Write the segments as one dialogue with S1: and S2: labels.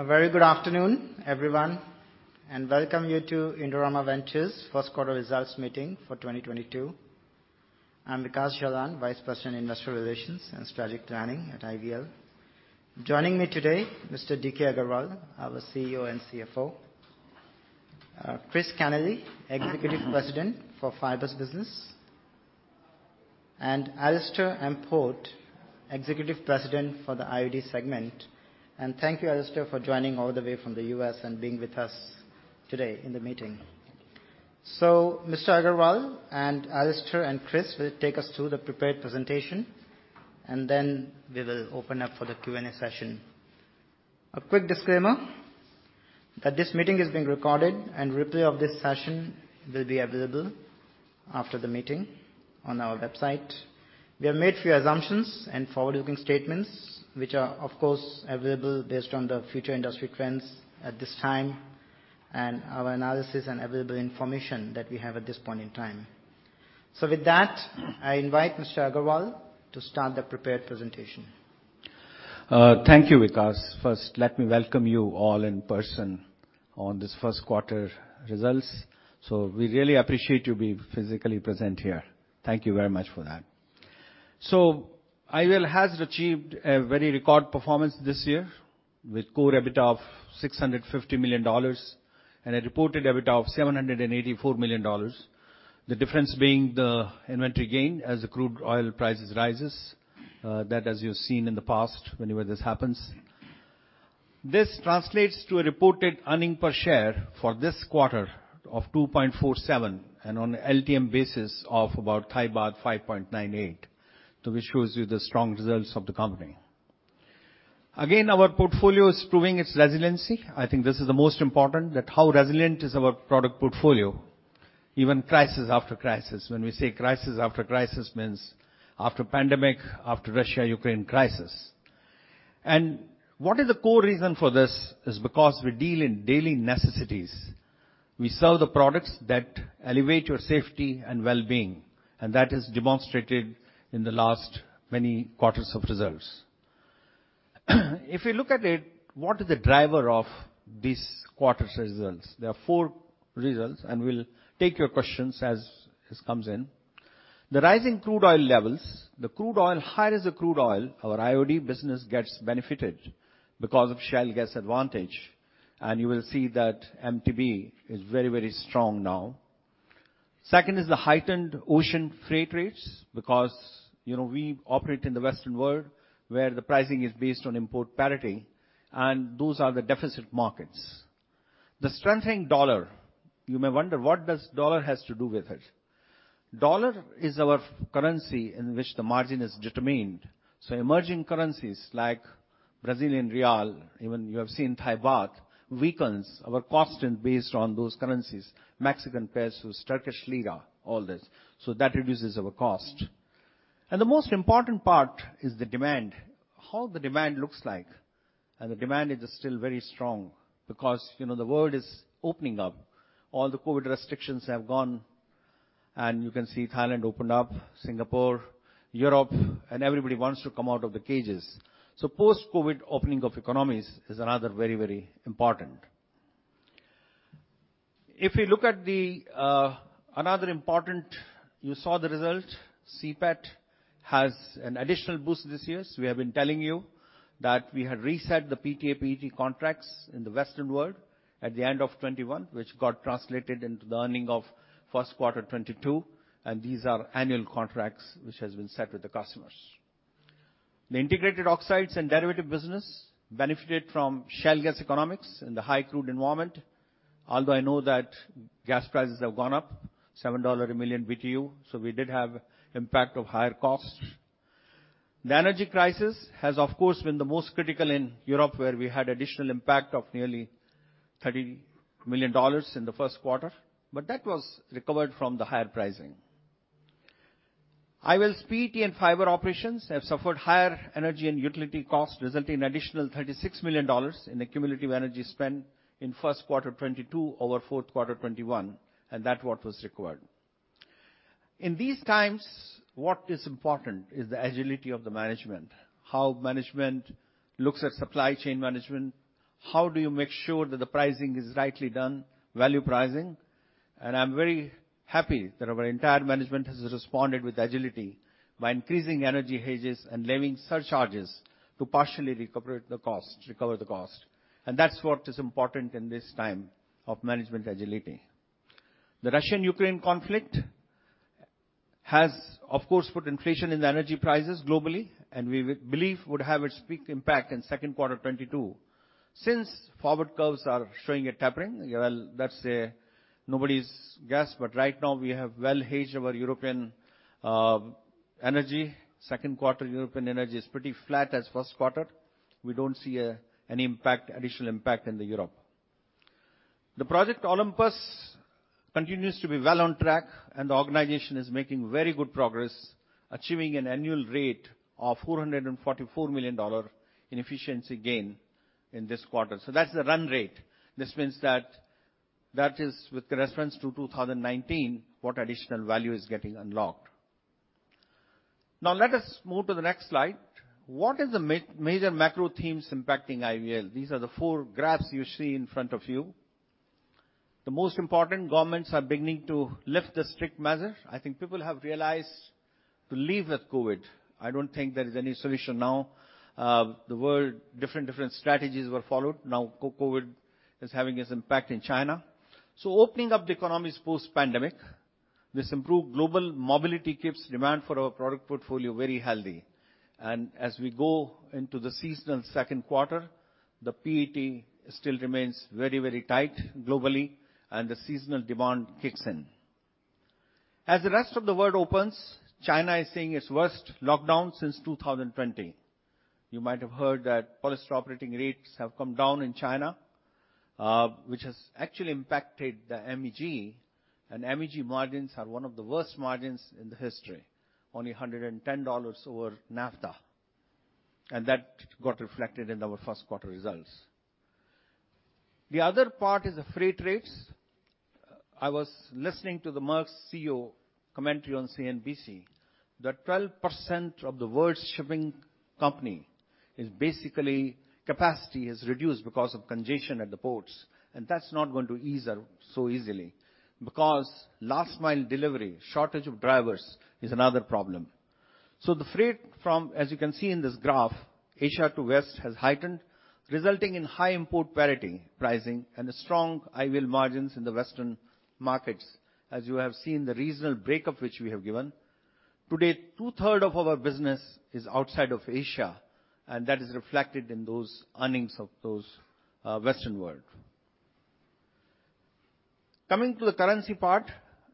S1: A very good afternoon, everyone, and welcome you to Indorama Ventures first quarter results meeting for 2022. I'm Vikash Jalan, Vice President, Investor Relations and Strategic Planning at IVL. Joining me today, Mr. D.K. Agarwal, our CEO and CFO, Chris Kenneally, Executive President for Fibers business, and Alastair Port, Executive President for the IOD segment. Thank you, Alastair, for joining all the way from the U.S. and being with us today in the meeting. Mr. Agarwal and Alastair and Chris will take us through the prepared presentation, and then we will open up for the Q&A session. A quick disclaimer that this meeting is being recorded and replay of this session will be available after the meeting on our website. We have made few assumptions and forward-looking statements, which are, of course, available based on the future industry trends at this time and our analysis and available information that we have at this point in time. With that, I invite Mr. Agarwal to start the prepared presentation.
S2: Thank you, Vikash. First, let me welcome you all in person on this first quarter results. We really appreciate you being physically present here. Thank you very much for that. IVL has achieved a very record performance this year with core EBITDA of $650 million and a reported EBITDA of $784 million. The difference being the inventory gain as the crude oil prices rise, that as you've seen in the past whenever this happens. This translates to a reported earning per share for this quarter of 2.47 and on LTM basis of about baht 5.98, which shows you the strong results of the company. Again, our portfolio is proving its resiliency. I think this is the most important, that how resilient is our product portfolio, even crisis after crisis. When we say crisis after crisis means after pandemic, after Russia-Ukraine crisis. What is the core reason for this is because we deal in daily necessities. We sell the products that elevate your safety and well-being, and that is demonstrated in the last many quarters of results. If you look at it, what is the driver of this quarter's results? There are four results, and we'll take your questions as this comes in. The rising crude oil levels. The higher the crude oil, our IOD business gets benefited because of shale gas advantage, and you will see that MTBE is very, very strong now. Second is the heightened ocean freight rates because, you know, we operate in the Western world where the pricing is based on import parity, and those are the deficit markets. The strengthening dollar. You may wonder what the dollar has to do with it. The dollar is our currency in which the margin is determined. Emerging currencies like Brazilian real, even you have seen Thai baht weakens our cost and based on those currencies, Mexican peso, Turkish lira, all this. That reduces our cost. The most important part is the demand. How the demand looks like. The demand is still very strong because, you know, the world is opening up. All the COVID restrictions have gone, and you can see Thailand opened up, Singapore, Europe, and everybody wants to come out of the cages. Post-COVID opening of economies is another very, very important. If you look at the, another important, you saw the result. CPET has an additional boost this year. We have been telling you that we had reset the PTA PET contracts in the Western world at the end of 2021, which got translated into the earnings of first quarter 2022, and these are annual contracts which has been set with the customers. The Integrated Oxides and Derivatives business benefited from shale gas economics and the high crude environment. Although I know that gas prices have gone up $7 a million BTU, so we did have impact of higher costs. The energy crisis has, of course, been the most critical in Europe, where we had additional impact of nearly $30 million in the first quarter, but that was recovered from the higher pricing. IVL's PET and fiber operations have suffered higher energy and utility costs, resulting in additional $36 million in the cumulative energy spend in first quarter 2022 over fourth quarter 2021, and that was what was required. In these times, what is important is the agility of the management. How management looks at supply chain management. How do you make sure that the pricing is rightly done, value pricing. I'm very happy that our entire management has responded with agility by increasing energy hedges and levying surcharges to partially recover the cost. That's what is important in this time of management agility. The Russia-Ukraine conflict has, of course, put inflation in the energy prices globally, and we believe would have its peak impact in second quarter 2022. Since forward curves are showing a tapering, well, that's nobody's guess, but right now we have well hedged our European energy. Second quarter European energy is pretty flat as first quarter. We don't see any impact, additional impact in Europe. The Project Olympus continues to be well on track, and the organization is making very good progress, achieving an annual rate of $444 million in efficiency gain in this quarter. So that's the run rate. This means that that is with reference to 2019 what additional value is getting unlocked. Now let us move to the next slide. What is the major macro themes impacting IVL? These are the four graphs you see in front of you. The most important, governments are beginning to lift the strict measure. I think people have realized to live with COVID. I don't think there is any solution now. The world, different strategies were followed. Now COVID is having its impact in China. Opening up the economies post-pandemic, this improved global mobility keeps demand for our product portfolio very healthy. As we go into the seasonal second quarter, the PET still remains very, very tight globally and the seasonal demand kicks in. As the rest of the world opens, China is seeing its worst lockdown since 2020. You might have heard that polyester operating rates have come down in China, which has actually impacted the MEG. MEG margins are one of the worst margins in the history, only $110 over naphtha, and that got reflected in our first quarter results. The other part is the freight rates. I was listening to the Maersk CEO commentary on CNBC that 12% of the world's shipping capacity is basically reduced because of congestion at the ports, and that's not going to ease so easily because last mile delivery, shortage of drivers is another problem. The freight from, as you can see in this graph, Asia to West has heightened, resulting in high import parity pricing and strong IVL margins in the Western markets. As you have seen, the regional breakup which we have given. To date, two-thirds of our business is outside of Asia, and that is reflected in those earnings of those Western world. Coming to the currency part,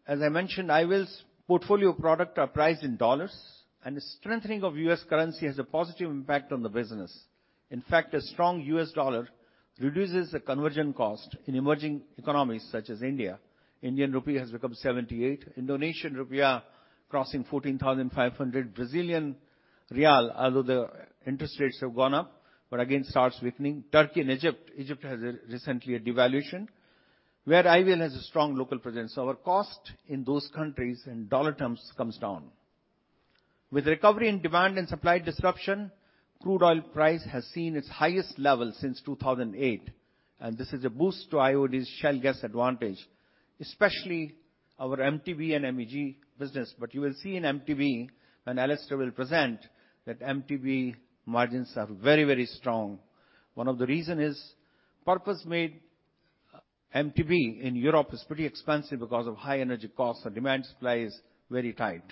S2: as I mentioned, IVL's portfolio product are priced in U.S. dollars and the strengthening of U.S. currency has a positive impact on the business. In fact, a strong U.S. dollar reduces the conversion cost in emerging economies such as India. Indian rupee has become 78. Indonesian rupiah crossing 14,500. Brazilian real, although the interest rates have gone up, but again starts weakening. Turkey and Egypt. Egypt has recently a devaluation where IVL has a strong local presence. Our cost in those countries in dollar terms comes down. With recovery in demand and supply disruption, crude oil price has seen its highest level since 2008, and this is a boost to IOD's shale gas advantage, especially our MTBE and MEG business. You will see in MTBE, and Alastair will present, that MTBE margins are very, very strong. One of the reason is purpose-made MTBE in Europe is pretty expensive because of high energy costs and demand supply is very tight.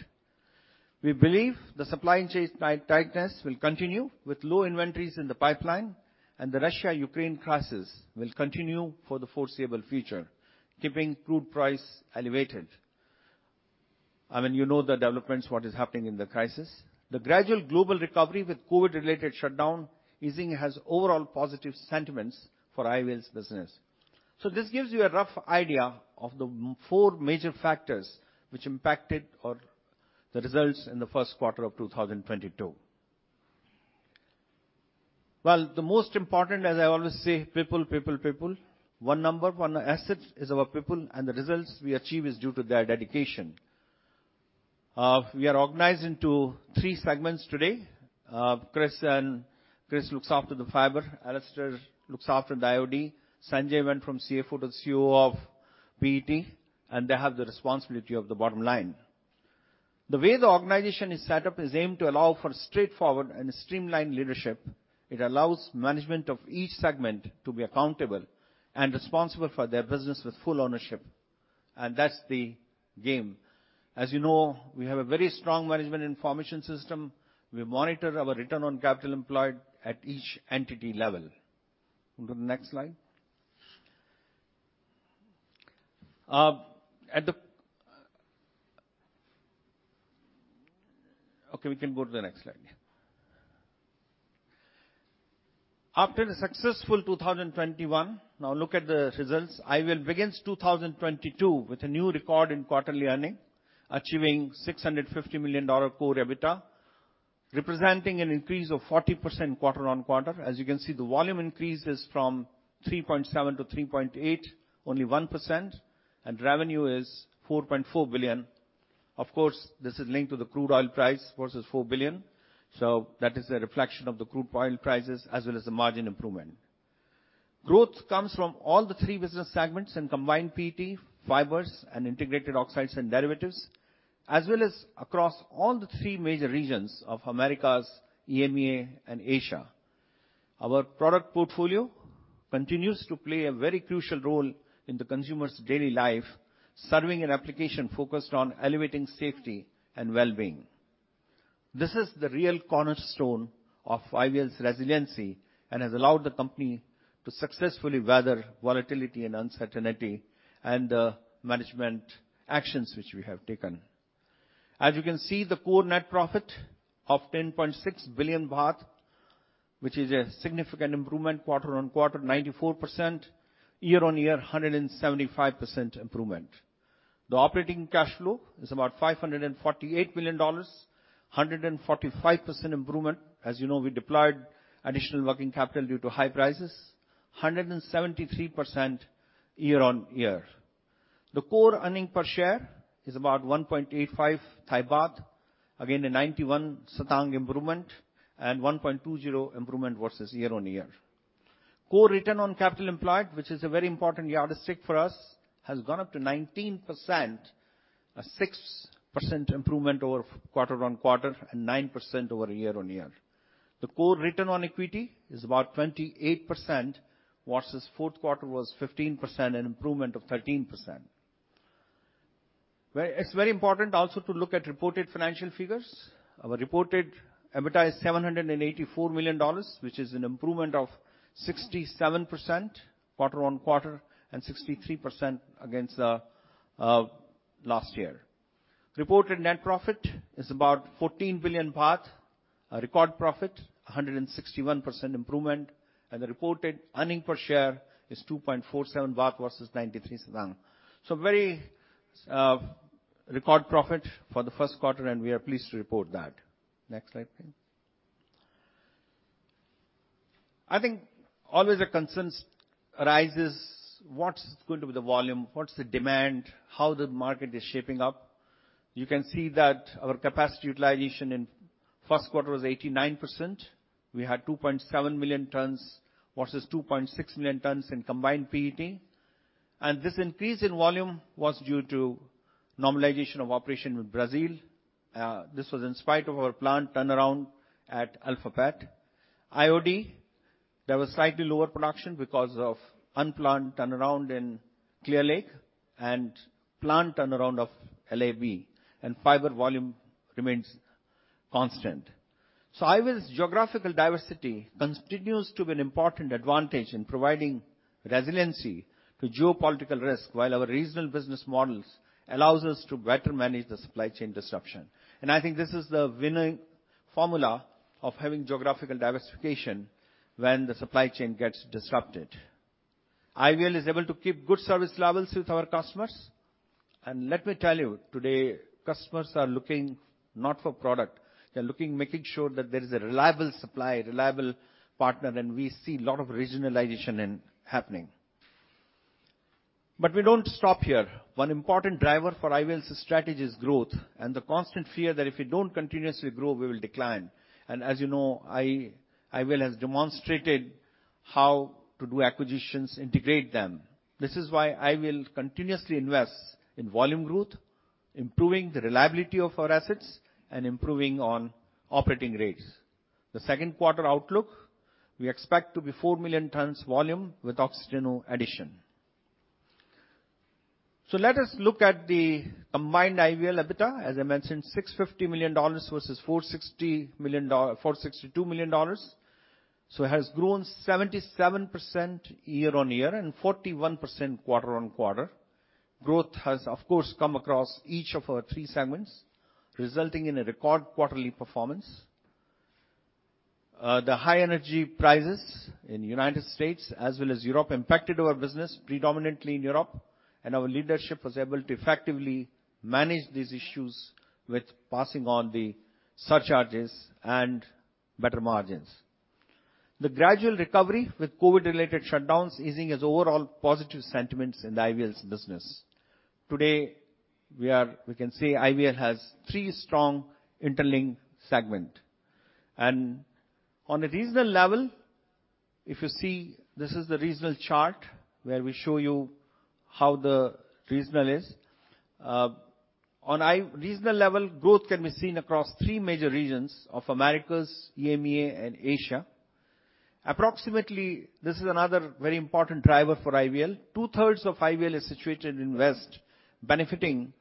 S2: We believe the supply chain tightness will continue with low inventories in the pipeline, and the Russia-Ukraine crisis will continue for the foreseeable future, keeping crude price elevated. I mean, you know the developments, what is happening in the crisis. The gradual global recovery with COVID-related shutdown easing has overall positive sentiments for IVL's business. This gives you a rough idea of the four major factors which impacted or the results in the first quarter of 2022. Well, the most important, as I always say, people, people. One number, one asset is our people, and the results we achieve is due to their dedication. We are organized into three segments today. Chris looks after the Fibers. Alastair looks after the IOD. Sanjay went from CFO to CEO of PET, and they have the responsibility of the bottom line. The way the organization is set up is aimed to allow for straightforward and streamlined leadership. It allows management of each segment to be accountable and responsible for their business with full ownership, and that's the game. As you know, we have a very strong management information system. We monitor our return on capital employed at each entity level. After the successful 2021, now look at the results. IVL begins 2022 with a new record in quarterly earnings, achieving $650 million core EBITDA, representing an increase of 40% quarter-on-quarter. As you can see, the volume increase is from 3.7-3.8, only 1%, and revenue is $4.4 billion. Of course, this is linked to the crude oil price versus 4 billion. That is a reflection of the crude oil prices as well as the margin improvement. Growth comes from all the three business segments in Combined PET, Fibers, and Integrated Oxides and Derivatives, as well as across all the three major regions of Americas, EMEA, and Asia. Our product portfolio continues to play a very crucial role in the consumer's daily life, serving an application focused on elevating safety and well-being. This is the real cornerstone of IVL's resiliency and has allowed the company to successfully weather volatility and uncertainty and the management actions which we have taken. As you can see, the core net profit of 10.6 billion baht, which is a significant improvement quarter-on-quarter 94%, year-on-year 175% improvement. The operating cash flow is about $548 million, 145% improvement. As you know, we deployed additional working capital due to high prices. 173% year-on-year. The core earning per share is about 1.85 baht. Again, a 91 satang improvement and 1.20 improvement versus year-on-year. Core return on capital employed, which is a very important yardstick for us, has gone up to 19%, a 6% improvement over quarter-on-quarter and 9% over year-on-year. The core return on equity is about 28% versus fourth quarter was 15%, an improvement of 13%. It's very important also to look at reported financial figures. Our reported EBITDA is $784 million, which is an improvement of 67% quarter-on-quarter and 63% against the last year. Reported net profit is about 14 billion baht, a record profit, 161% improvement, and the reported earnings per share is 2.47 baht versus 0.93. Very record profit for the first quarter, and we are pleased to report that. Next slide please. I think always the concerns arise what's going to be the volume? What's the demand? How the market is shaping up? You can see that our capacity utilization in first quarter was 89%. We had 2.7 million tons versus 2.6 million tons in Combined PET. This increase in volume was due to normalization of operation with Brazil. This was in spite of our plant turnaround at AlphaPet. IOD, there was slightly lower production because of unplanned turnaround in Clear Lake and plant turnaround of LAB, and fiber volume remains constant. IVL's geographical diversity continues to be an important advantage in providing resiliency to geopolitical risk while our regional business models allows us to better manage the supply chain disruption. I think this is the winning formula of having geographical diversification when the supply chain gets disrupted. IVL is able to keep good service levels with our customers. Let me tell you, today, customers are looking not for product, they're looking, making sure that there is a reliable supply, a reliable partner, and we see lot of regionalization in happening. We don't stop here. One important driver for IVL's strategy is growth and the constant fear that if we don't continuously grow, we will decline. As you know, IVL has demonstrated how to do acquisitions, integrate them. This is why IVL continuously invests in volume growth, improving the reliability of our assets, and improving on operating rates. The second quarter outlook, we expect to be 4 million tons volume with Oxiteno addition. Let us look at the combined IVL EBITDA. As I mentioned, $650 million versus $462 million. It has grown 77% year-on-year and 41% quarter-on-quarter. Growth has, of course, come across each of our three segments, resulting in a record quarterly performance. The high energy prices in United States as well as Europe impacted our business predominantly in Europe, and our leadership was able to effectively manage these issues with passing on the surcharges and better margins. The gradual recovery with COVID-related shutdowns easing has overall positive sentiments in the IVL's business. Today, we can say IVL has three strong interlinked segment. On a regional level, if you see, this is the regional chart where we show you how the regional is. Regional level, growth can be seen across three major regions of Americas, EMEA, and Asia. Approximately, this is another very important driver for IVL. Two-thirds of IVL is situated in West, benefiting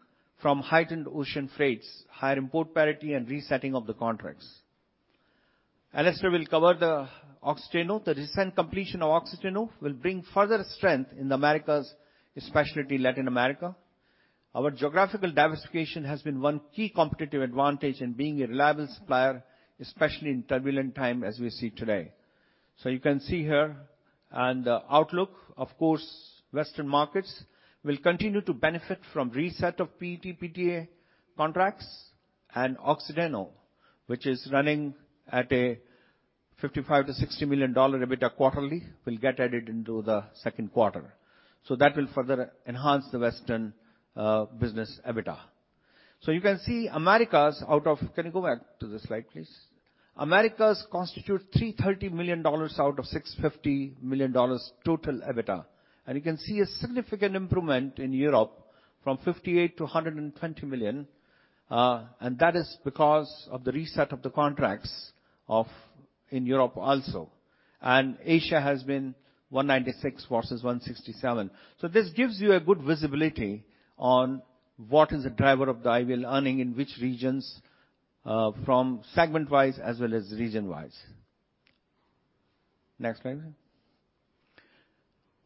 S2: from heightened ocean freights, higher import parity, and resetting of the contracts. Alastair will cover the Oxiteno. The recent completion of Oxiteno will bring further strength in the Americas, especially Latin America. Our geographical diversification has been one key competitive advantage in being a reliable supplier, especially in turbulent time as we see today. You can see here. The outlook, of course, Western markets will continue to benefit from reset of PET, PTA contracts and Oxiteno, which is running at a $55 million-$60 million EBITDA quarterly, will get added into the second quarter. That will further enhance the Western business EBITDA. You can see Americas out of... Can you go back to the slide, please? Americas constitute $330 million out of $650 million total EBITDA. You can see a significant improvement in Europe from $58 million-$120 million, and that is because of the reset of the contracts of in Europe also. Asia has been $196 million versus $167 million. This gives you a good visibility on what is the driver of the IVL earning, in which regions, from segment-wise as well as region-wise. Next slide please.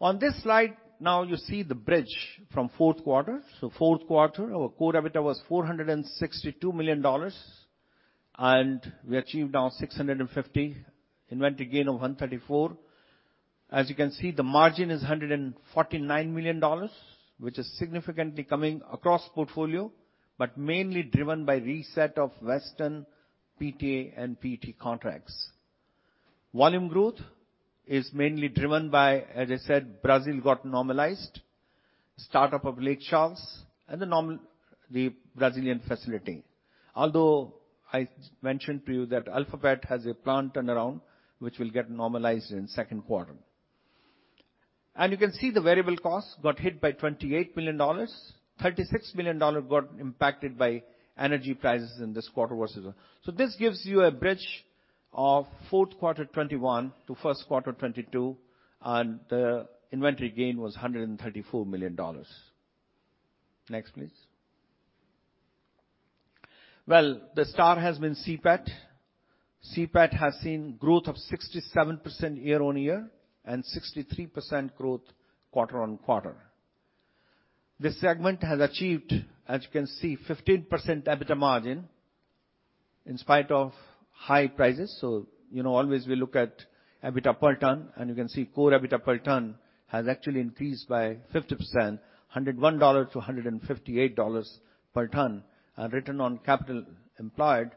S2: On this slide, now you see the bridge from fourth quarter. Fourth quarter, our core EBITDA was $462 million, and we achieved $650 million, inventory gain of $134 million. As you can see, the margin is $149 million, which is significantly coming across portfolio, but mainly driven by reset of Western PTA and PET contracts. Volume growth is mainly driven by, as I said, Brazil got normalized, start-up of Lake Charles, and the Brazilian facility. Although I mentioned to you that AlphaPet has a plant turnaround which will get normalized in second quarter. You can see the variable costs got hit by $28 million. $36 million got impacted by energy prices in this quarter versus. This gives you a bridge of Q4 2021 to Q1 2022, and the inventory gain was $134 million. Next, please. Well, the star has been CPET. CPET has seen growth of 67% year-on-year and 63% growth quarter-on-quarter. This segment has achieved, as you can see, 15% EBITDA margin in spite of high prices. You know, always we look at EBITDA per ton, and you can see core EBITDA per ton has actually increased by 50%, $101-$158 per ton. Return on capital employed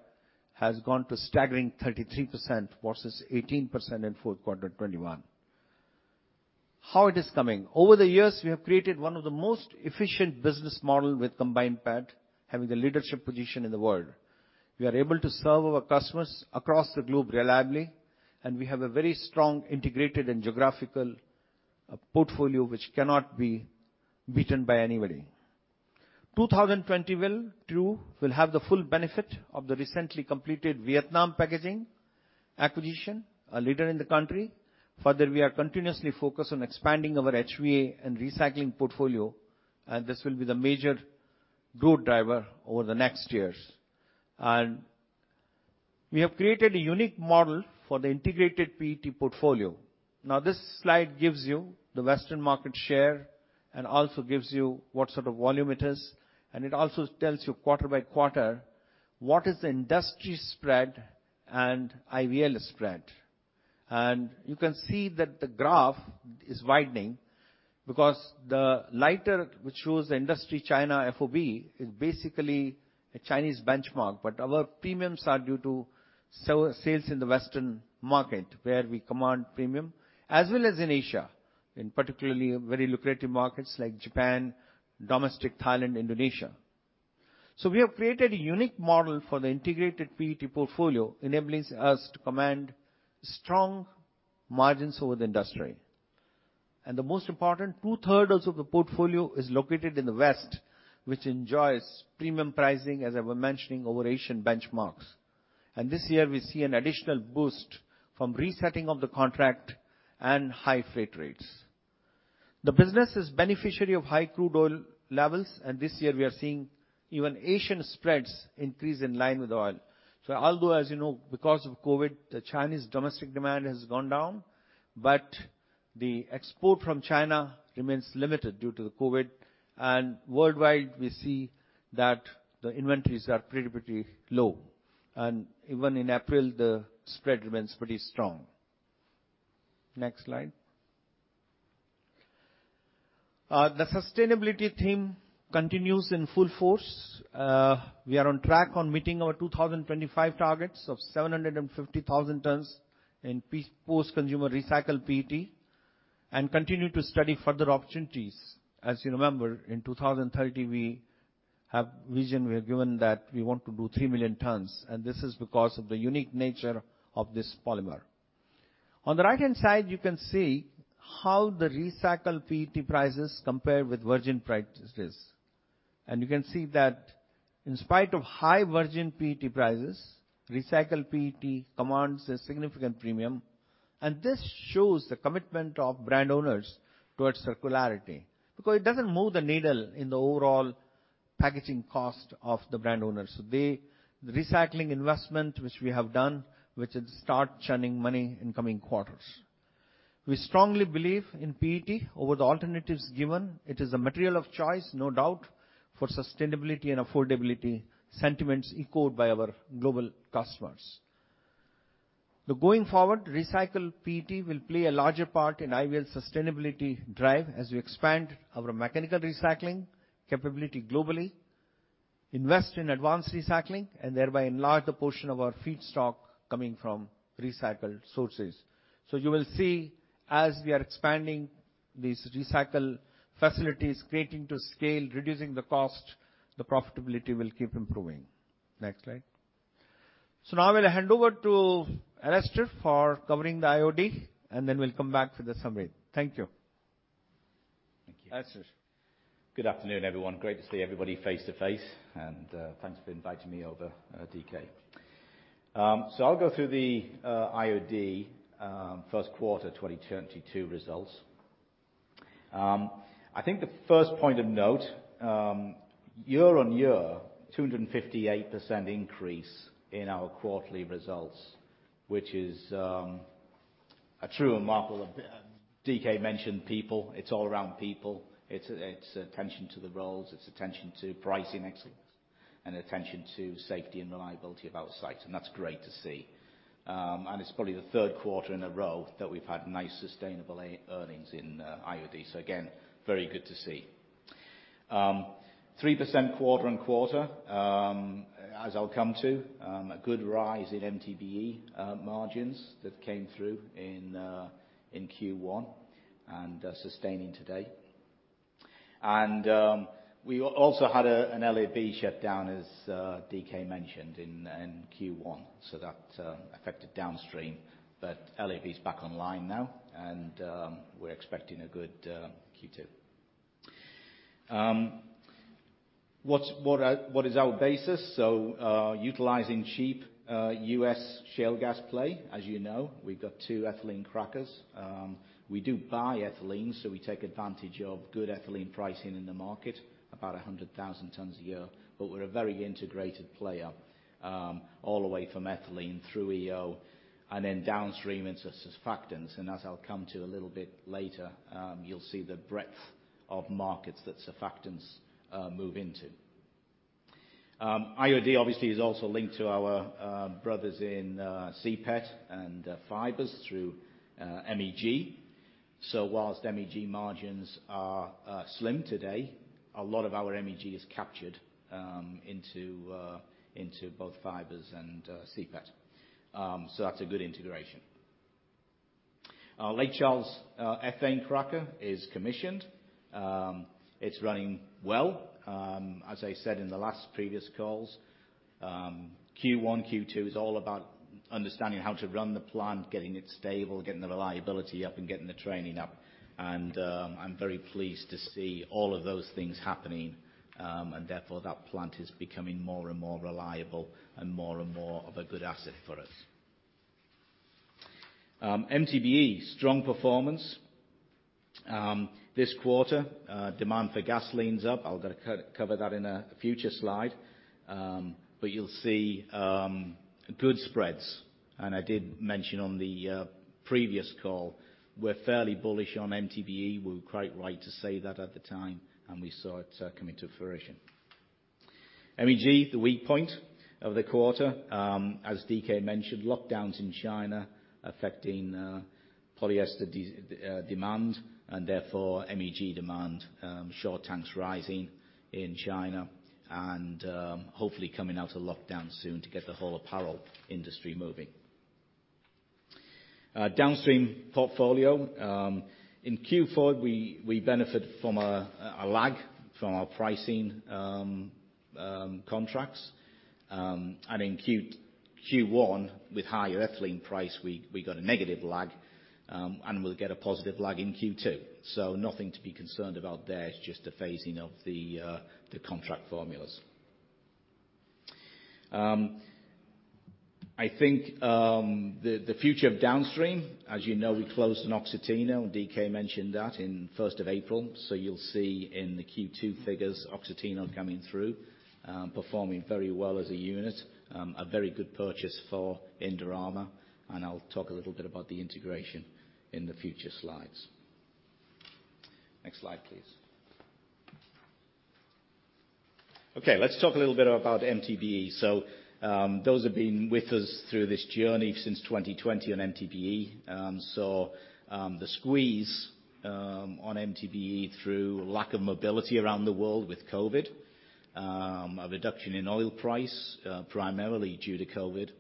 S2: has gone to a staggering 33% versus 18% in Q4 2021. How it is coming? Over the years, we have created one of the most efficient business model with Combined PET, having a leadership position in the world. We are able to serve our customers across the globe reliably, and we have a very strong integrated and geographical portfolio which cannot be beaten by anybody. 2022 will have the full benefit of the recently completed Vietnam packaging acquisition, a leader in the country. Further, we are continuously focused on expanding our HVA and recycling portfolio, and this will be the major growth driver over the next years. We have created a unique model for the integrated PET portfolio. Now this slide gives you the western market share and also gives you what sort of volume it is, and it also tells you quarter by quarter, what is the industry spread and IVL spread. You can see that the graph is widening because the line, which shows the industry China FOB, is basically a Chinese benchmark. Our premiums are due to sales in the Western market, where we command premium, as well as in Asia, in particular very lucrative markets like Japan, domestic Thailand, Indonesia. We have created a unique model for the integrated PET portfolio, enabling us to command strong margins over the industry. The most important, two-thirds of the portfolio is located in the West, which enjoys premium pricing, as I was mentioning, over Asian benchmarks. This year we see an additional boost from resetting of the contract and high freight rates. The business is beneficiary of high crude oil levels, and this year we are seeing even Asian spreads increase in line with oil. Although, as you know, because of COVID, the Chinese domestic demand has gone down, but the export from China remains limited due to the COVID. Worldwide, we see that the inventories are pretty low. Even in April, the spread remains pretty strong. Next slide. The sustainability theme continues in full force. We are on track on meeting our 2025 targets of 750,000 tons in post-consumer recycled PET, and continue to study further opportunities. As you remember, in 2030, we have vision we have given that we want to do 3,000,000 tons, and this is because of the unique nature of this polymer. On the right-hand side, you can see how the recycled PET prices compare with virgin prices. You can see that in spite of high virgin PET prices, recycled PET commands a significant premium. This shows the commitment of brand owners towards circularity, because it doesn't move the needle in the overall packaging cost of the brand owners. The recycling investment, which we have done, which it start churning money in coming quarters. We strongly believe in PET over the alternatives given. It is a material of choice, no doubt, for sustainability and affordability sentiments echoed by our global customers. The going forward recycled PET will play a larger part in IVL sustainability drive as we expand our mechanical recycling capability globally, invest in advanced recycling, and thereby enlarge the portion of our feedstock coming from recycled sources. You will see as we are expanding these recycled facilities, creating to scale, reducing the cost, the profitability will keep improving. Next slide. Now I'm gonna hand over to Alastair for covering the IOD, and then we'll come back for the summary. Thank you.
S3: Thank you.
S2: Alastair.
S3: Good afternoon, everyone. Great to see everybody face to face. Thanks for inviting me over, D.K. I'll go through the IOD first quarter 2022 results. I think the first point of note, year-on-year, 258% increase in our quarterly results, which is a true hallmark of. D.K. mentioned people. It's all around people. It's attention to the roles. It's attention to pricing excellence and attention to safety and reliability of our sites. That's great to see. It's probably the third quarter in a row that we've had nice sustainable earnings in IOD. Again, very good to see. 3% quarter-on-quarter, as I'll come to, a good rise in MTBE margins that came through in Q1 and sustaining today. We also had an LAB shut down as D.K. mentioned in Q1, so that affected downstream. LAB is back online now, and we're expecting a good Q2. What is our basis? Utilizing cheap U.S. shale gas play, as you know, we've got two ethylene crackers. We do buy ethylene, so we take advantage of good ethylene pricing in the market, about 100,000 tons a year. We're a very integrated player all the way from ethylene through EO and then downstream into surfactants. As I'll come to a little bit later, you'll see the breadth of markets that surfactants move into. IOD obviously is also linked to our brothers in CPET and fibers through MEG. While MEG margins are slim today, a lot of our MEG is captured into both fibers and CPET. That's a good integration. Our Lake Charles ethane cracker is commissioned. It's running well. As I said in the last previous calls, Q1, Q2 is all about understanding how to run the plant, getting it stable, getting the reliability up, and getting the training up. I'm very pleased to see all of those things happening, and therefore that plant is becoming more and more reliable and more and more of a good asset for us. MTBE, strong performance. This quarter, demand for gasoline's up. I'm going to cover that in a future slide. But you'll see good spreads. I did mention on the previous call, we're fairly bullish on MTBE. We were quite right to say that at the time, and we saw it come into fruition. MEG, the weak point of the quarter. As D.K. mentioned, lockdowns in China affecting polyester demand and therefore MEG demand. Shore tanks rising in China and hopefully coming out of lockdown soon to get the whole apparel industry moving. Downstream portfolio. In Q4, we benefit from a lag from our pricing contracts. In Q1, with higher ethylene price, we got a negative lag, and we'll get a positive lag in Q2. Nothing to be concerned about there. It's just a phasing of the contract formulas. I think the future of downstream, as you know, we closed in Oxiteno. D.K. mentioned that in first of April. You'll see in the Q2 figures, Oxiteno coming through, performing very well as a unit. A very good purchase for Indorama, and I'll talk a little bit about the integration in the future slides. Next slide, please. Okay, let's talk a little bit about MTBE. Those have been with us through this journey since 2020 on MTBE. The squeeze on MTBE through lack of mobility around the world with COVID, a reduction in oil price, primarily due to COVID.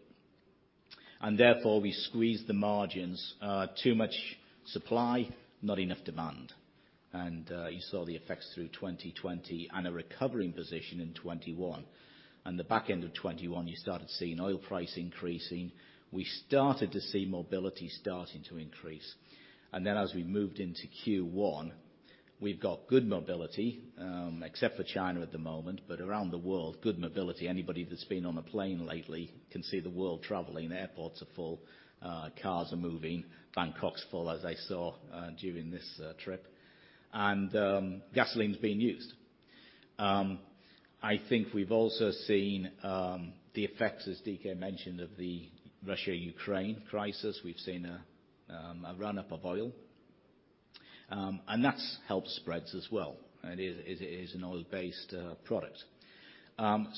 S3: Therefore, we squeezed the margins. Too much supply, not enough demand. You saw the effects through 2020 and a recovering position in 2021. The back end of 2021, you started seeing oil price increasing. We started to see mobility starting to increase. As we moved into Q1, we've got good mobility, except for China at the moment, but around the world, good mobility. Anybody that's been on a plane lately can see the world traveling. Airports are full, cars are moving. Bangkok's full, as I saw, during this trip. Gasoline's being used. I think we've also seen the effects, as D.K. mentioned, of the Russia-Ukraine crisis. We've seen a run-up of oil, and that's helped spreads as well. It is an oil-based product.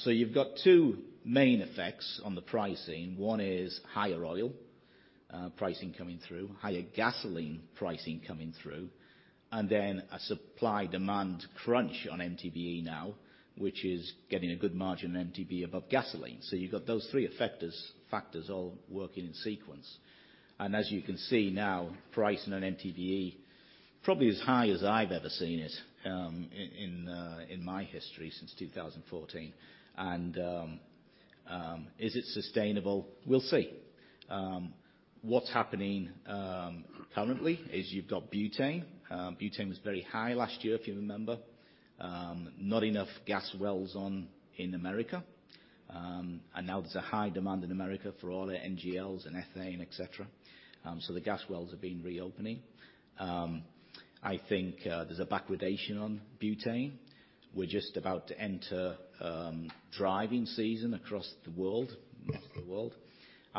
S3: You've got two main effects on the pricing. One is higher oil pricing coming through, higher gasoline pricing coming through, and then a supply-demand crunch on MTBE now, which is getting a good margin on MTBE above gasoline. You've got those three factors all working in sequence. As you can see now, pricing on MTBE probably as high as I've ever seen it in my history since 2014. Is it sustainable? We'll see. What's happening currently is you've got butane. Butane was very high last year, if you remember. Not enough gas wells online in America. Now there's a high demand in America for all their NGLs and ethane, etc. So the gas wells have been reopening. I think there's a backwardation on butane. We're just about to enter driving season across the world, most of the world.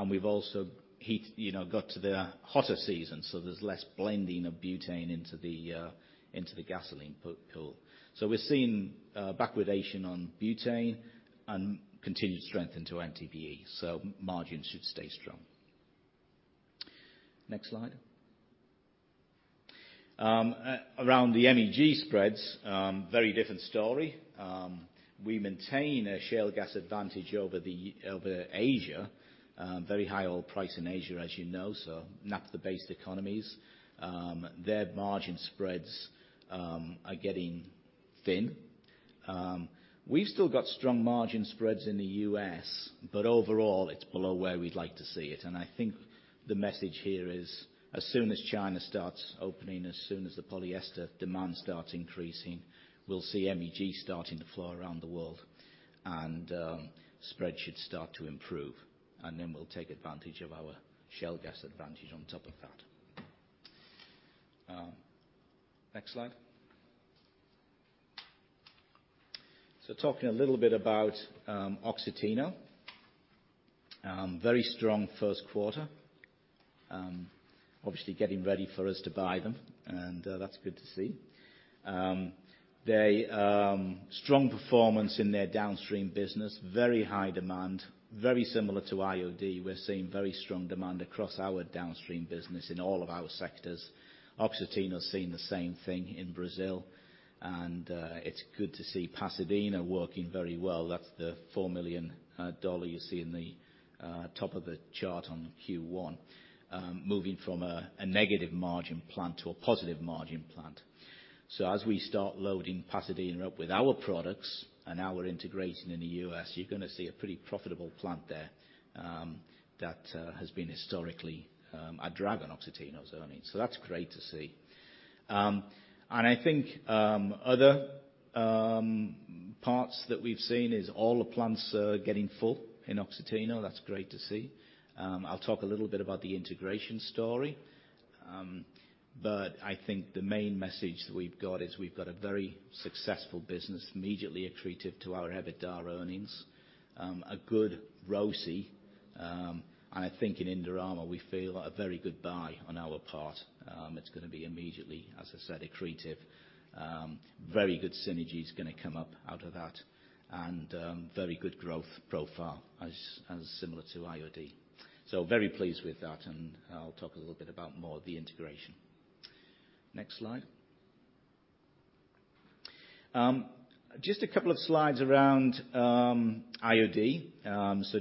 S3: We've also, you know, got to the hotter season, so there's less blending of butane into the gasoline pool. We're seeing backwardation on butane and continued strength into MTBE, so margins should stay strong. Next slide. Around the MEG spreads, very different story. We maintain a shale gas advantage over Asia. Very high oil price in Asia, as you know, so not the best economies. Their margin spreads are getting thin. We've still got strong margin spreads in the U.S., but overall it's below where we'd like to see it. I think the message here is as soon as China starts opening, as soon as the polyester demand starts increasing, we'll see MEG starting to flow around the world, and spreads should start to improve, and then we'll take advantage of our shale gas advantage on top of that. Next slide. Talking a little bit about Oxiteno. Very strong first quarter. Obviously getting ready for us to buy them, and that's good to see. Strong performance in their downstream business. Very high demand. Very similar to IOD. We're seeing very strong demand across our downstream business in all of our sectors. Oxiteno's seeing the same thing in Brazil, and it's good to see Pasadena working very well. That's the $4 million you see in the top of the chart on Q1, moving from a negative margin plant to a positive margin plant. As we start loading Pasadena up with our products and our integration in the U.S., you're gonna see a pretty profitable plant there, that has been historically a drag on Oxiteno's earnings. That's great to see. I think other parts that we've seen is all the plants are getting full in Oxiteno. That's great to see. I'll talk a little bit about the integration story. I think the main message that we've got is we've got a very successful business immediately accretive to our EBITDA earnings. A good ROIC. I think in Indorama we feel a very good buy on our part, it's gonna be immediately, as I said, accretive. Very good synergies gonna come up out of that and very good growth profile as similar to IOD. Very pleased with that, and I'll talk a little bit about more of the integration. Next slide. Just a couple of slides around IOD.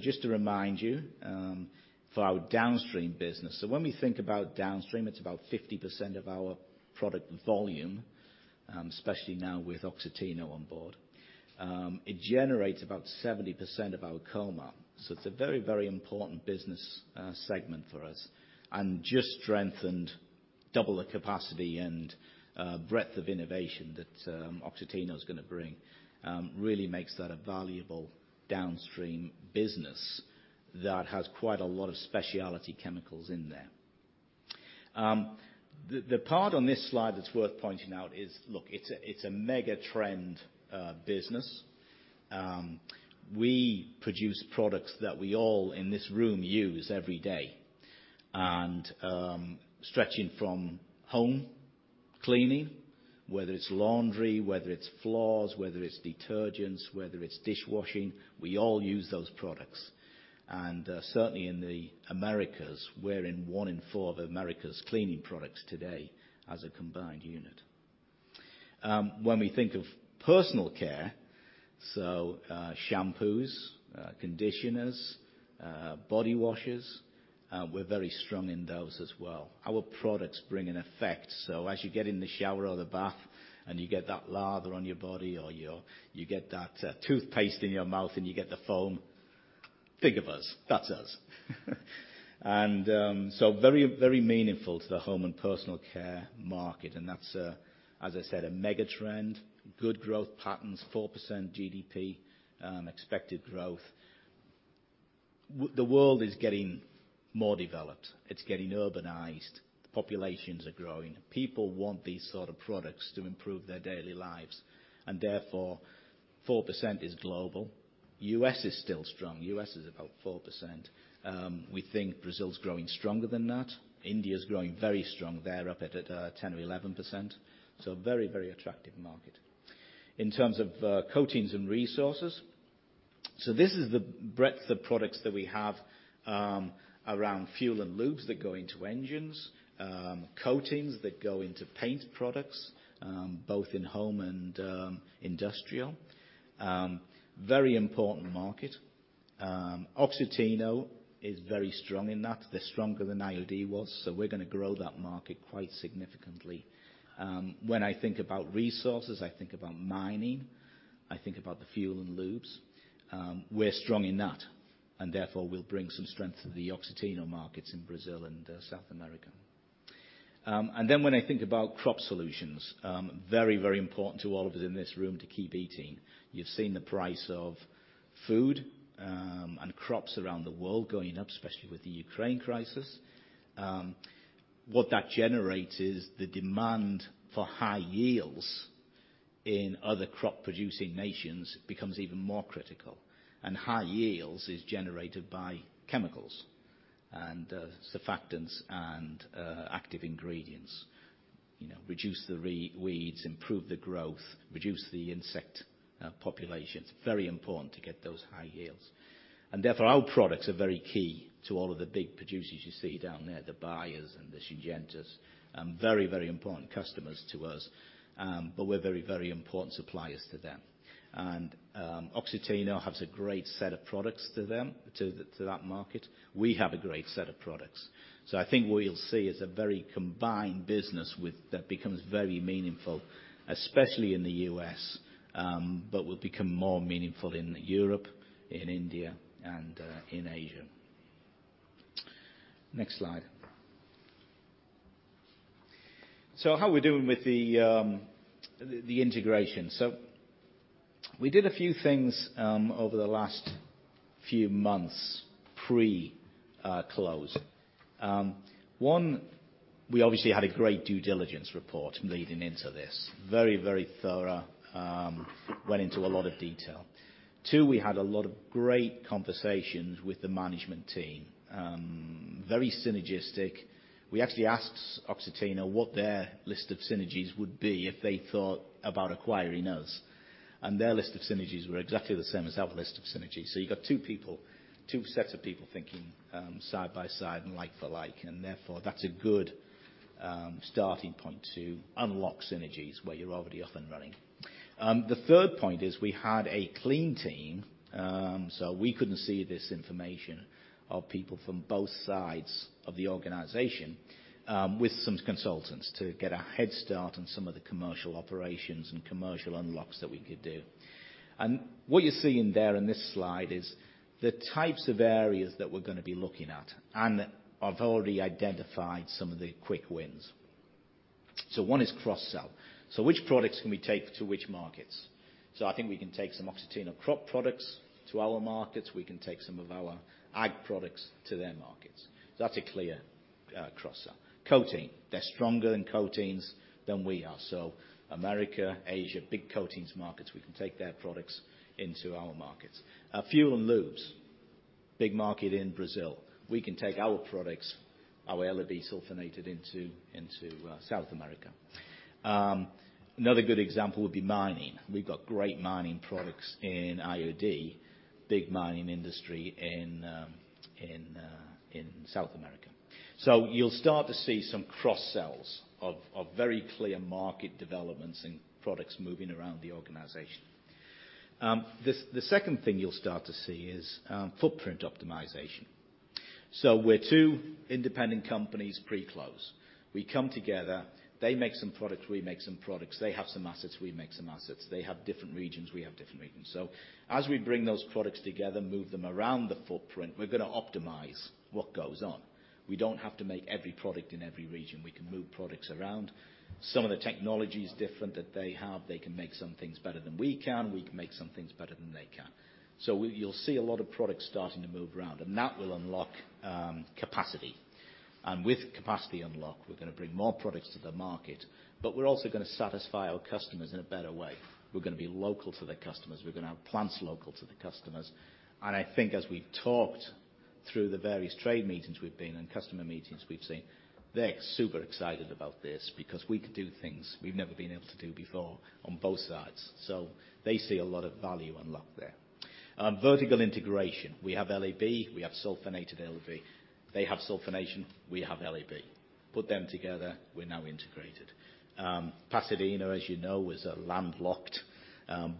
S3: Just to remind you, for our downstream business. When we think about downstream, it's about 50% of our product volume, especially now with Oxiteno on board. It generates about 70% of our COMA. It's a very, very important business segment for us and just strengthened double the capacity and breadth of innovation that Oxiteno's gonna bring really makes that a valuable downstream business that has quite a lot of specialty chemicals in there. The part on this slide that's worth pointing out is, look, it's a mega trend business. We produce products that we all in this room use every day. Stretching from home cleaning, whether it's laundry, whether it's floors, whether it's detergents, whether it's dishwashing, we all use those products. Certainly in the Americas, we're in one in four of America's cleaning products today as a combined unit. When we think of personal care, shampoos, conditioners, body washes, we're very strong in those as well. Our products bring an effect. As you get in the shower or the bath and you get that lather on your body or you get that toothpaste in your mouth and you get the foam, think of us, that's us. Very, very meaningful to the home and personal care market, and that's, as I said, a mega trend, good growth patterns, 4% GDP, expected growth. The world is getting more developed. It's getting urbanized. Populations are growing. People want these sort of products to improve their daily lives, and therefore, 4% is global. U.S. is still strong. U.S. is about 4%. We think Brazil's growing stronger than that. India's growing very strong. They're up at ten or eleven percent. Very, very attractive market. In terms of coatings and resources. This is the breadth of products that we have around fuel and lubes that go into engines. Coatings that go into paint products both in home and industrial. Very important market. Oxiteno is very strong in that. They're stronger than IOD was, so we're gonna grow that market quite significantly. When I think about resources, I think about mining. I think about the fuel and lubes. We're strong in that, and therefore we'll bring some strength to the Oxiteno markets in Brazil and South America. When I think about crop solutions, very, very important to all of us in this room to keep eating. You've seen the price of food and crops around the world going up, especially with the Ukraine crisis. What that generates is the demand for high yields in other crop-producing nations becomes even more critical. High yields is generated by chemicals and surfactants and active ingredients. You know, reduce the weeds, improve the growth, reduce the insect populations. Very important to get those high yields. Therefore, our products are very key to all of the big producers you see down there, the Bayers and the Syngentas, very, very important customers to us. We're very, very important suppliers to them. Oxiteno has a great set of products to them, to that market. We have a great set of products. I think what you'll see is a very combined business with that becomes very meaningful, especially in the U.S., but will become more meaningful in Europe, in India, and in Asia. Next slide. How we're doing with the integration? We did a few things over the last few months pre close. One, we obviously had a great due diligence report leading into this. Very, very thorough. Went into a lot of detail. Two, we had a lot of great conversations with the management team. Very synergistic. We actually asked Oxiteno what their list of synergies would be if they thought about acquiring us, and their list of synergies were exactly the same as our list of synergies. You got two people, two sets of people thinking, side by side and like for like, and therefore that's a good starting point to unlock synergies where you're already up and running. The third point is we had a clean team, so we couldn't see this information of people from both sides of the organization, with some consultants to get a head start on some of the commercial operations and commercial unlocks that we could do. What you're seeing there in this slide is the types of areas that we're gonna be looking at, and I've already identified some of the quick wins. One is cross-sell. Which products can we take to which markets? I think we can take some Oxiteno crop products to our markets. We can take some of our ag products to their markets. That's a clear cross-sell. Coatings. They're stronger in coatings than we are. America, Asia, big coatings markets, we can take their products into our markets. Fuel and lubes, big market in Brazil. We can take our products, our sulfonated LAB into South America. Another good example would be mining. We've got great mining products in IOD. Big mining industry in South America. You'll start to see some cross-sells of very clear market developments and products moving around the organization. The second thing you'll start to see is footprint optimization. We're two independent companies pre-close. We come together. They make some products. We make some products. They have some assets. We make some assets. They have different regions. We have different regions. As we bring those products together, move them around the footprint, we're gonna optimize what goes on. We don't have to make every product in every region. We can move products around. Some of the technology's different that they have. They can make some things better than we can. We can make some things better than they can. You'll see a lot of products starting to move around, and that will unlock capacity. With capacity unlock, we're gonna bring more products to the market, but we're also gonna satisfy our customers in a better way. We're gonna be local to the customers. We're gonna have plants local to the customers. I think as we've talked through the various trade meetings we've been in and customer meetings we've seen, they're super excited about this because we could do things we've never been able to do before on both sides. So they see a lot of value unlocked there. Vertical integration. We have LAB. We have sulfonated LAB. They have sulfonation. We have LAB. Put them together, we're now integrated. Pasadena, as you know, was landlocked,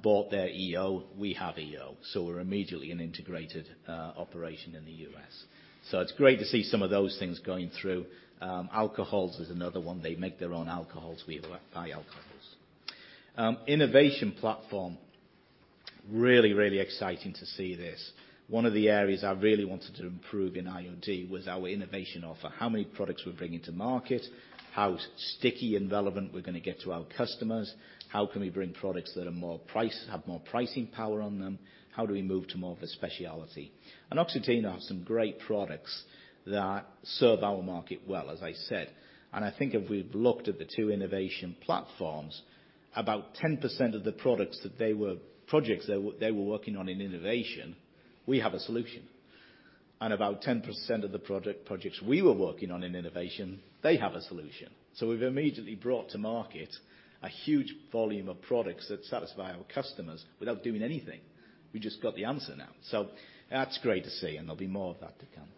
S3: bought their EO. We have EO, so we're immediately an integrated operation in the U.S. So it's great to see some of those things going through. Alcohols is another one. They make their own alcohols. We buy alcohols. Innovation platform. Really, really exciting to see this. One of the areas I really wanted to improve in IOD was our innovation offer. How many products we're bringing to market? How sticky and relevant we're gonna get to our customers? How can we bring products that are more price, have more pricing power on them? How do we move to more of a specialty? Oxiteno has some great products that serve our market well, as I said. I think if we've looked at the two innovation platforms, about 10% of the projects they were working on in innovation, we have a solution. About 10% of the projects we were working on in innovation, they have a solution. We've immediately brought to market a huge volume of products that satisfy our customers without doing anything. We just got the answer now. That's great to see, and there'll be more of that to come.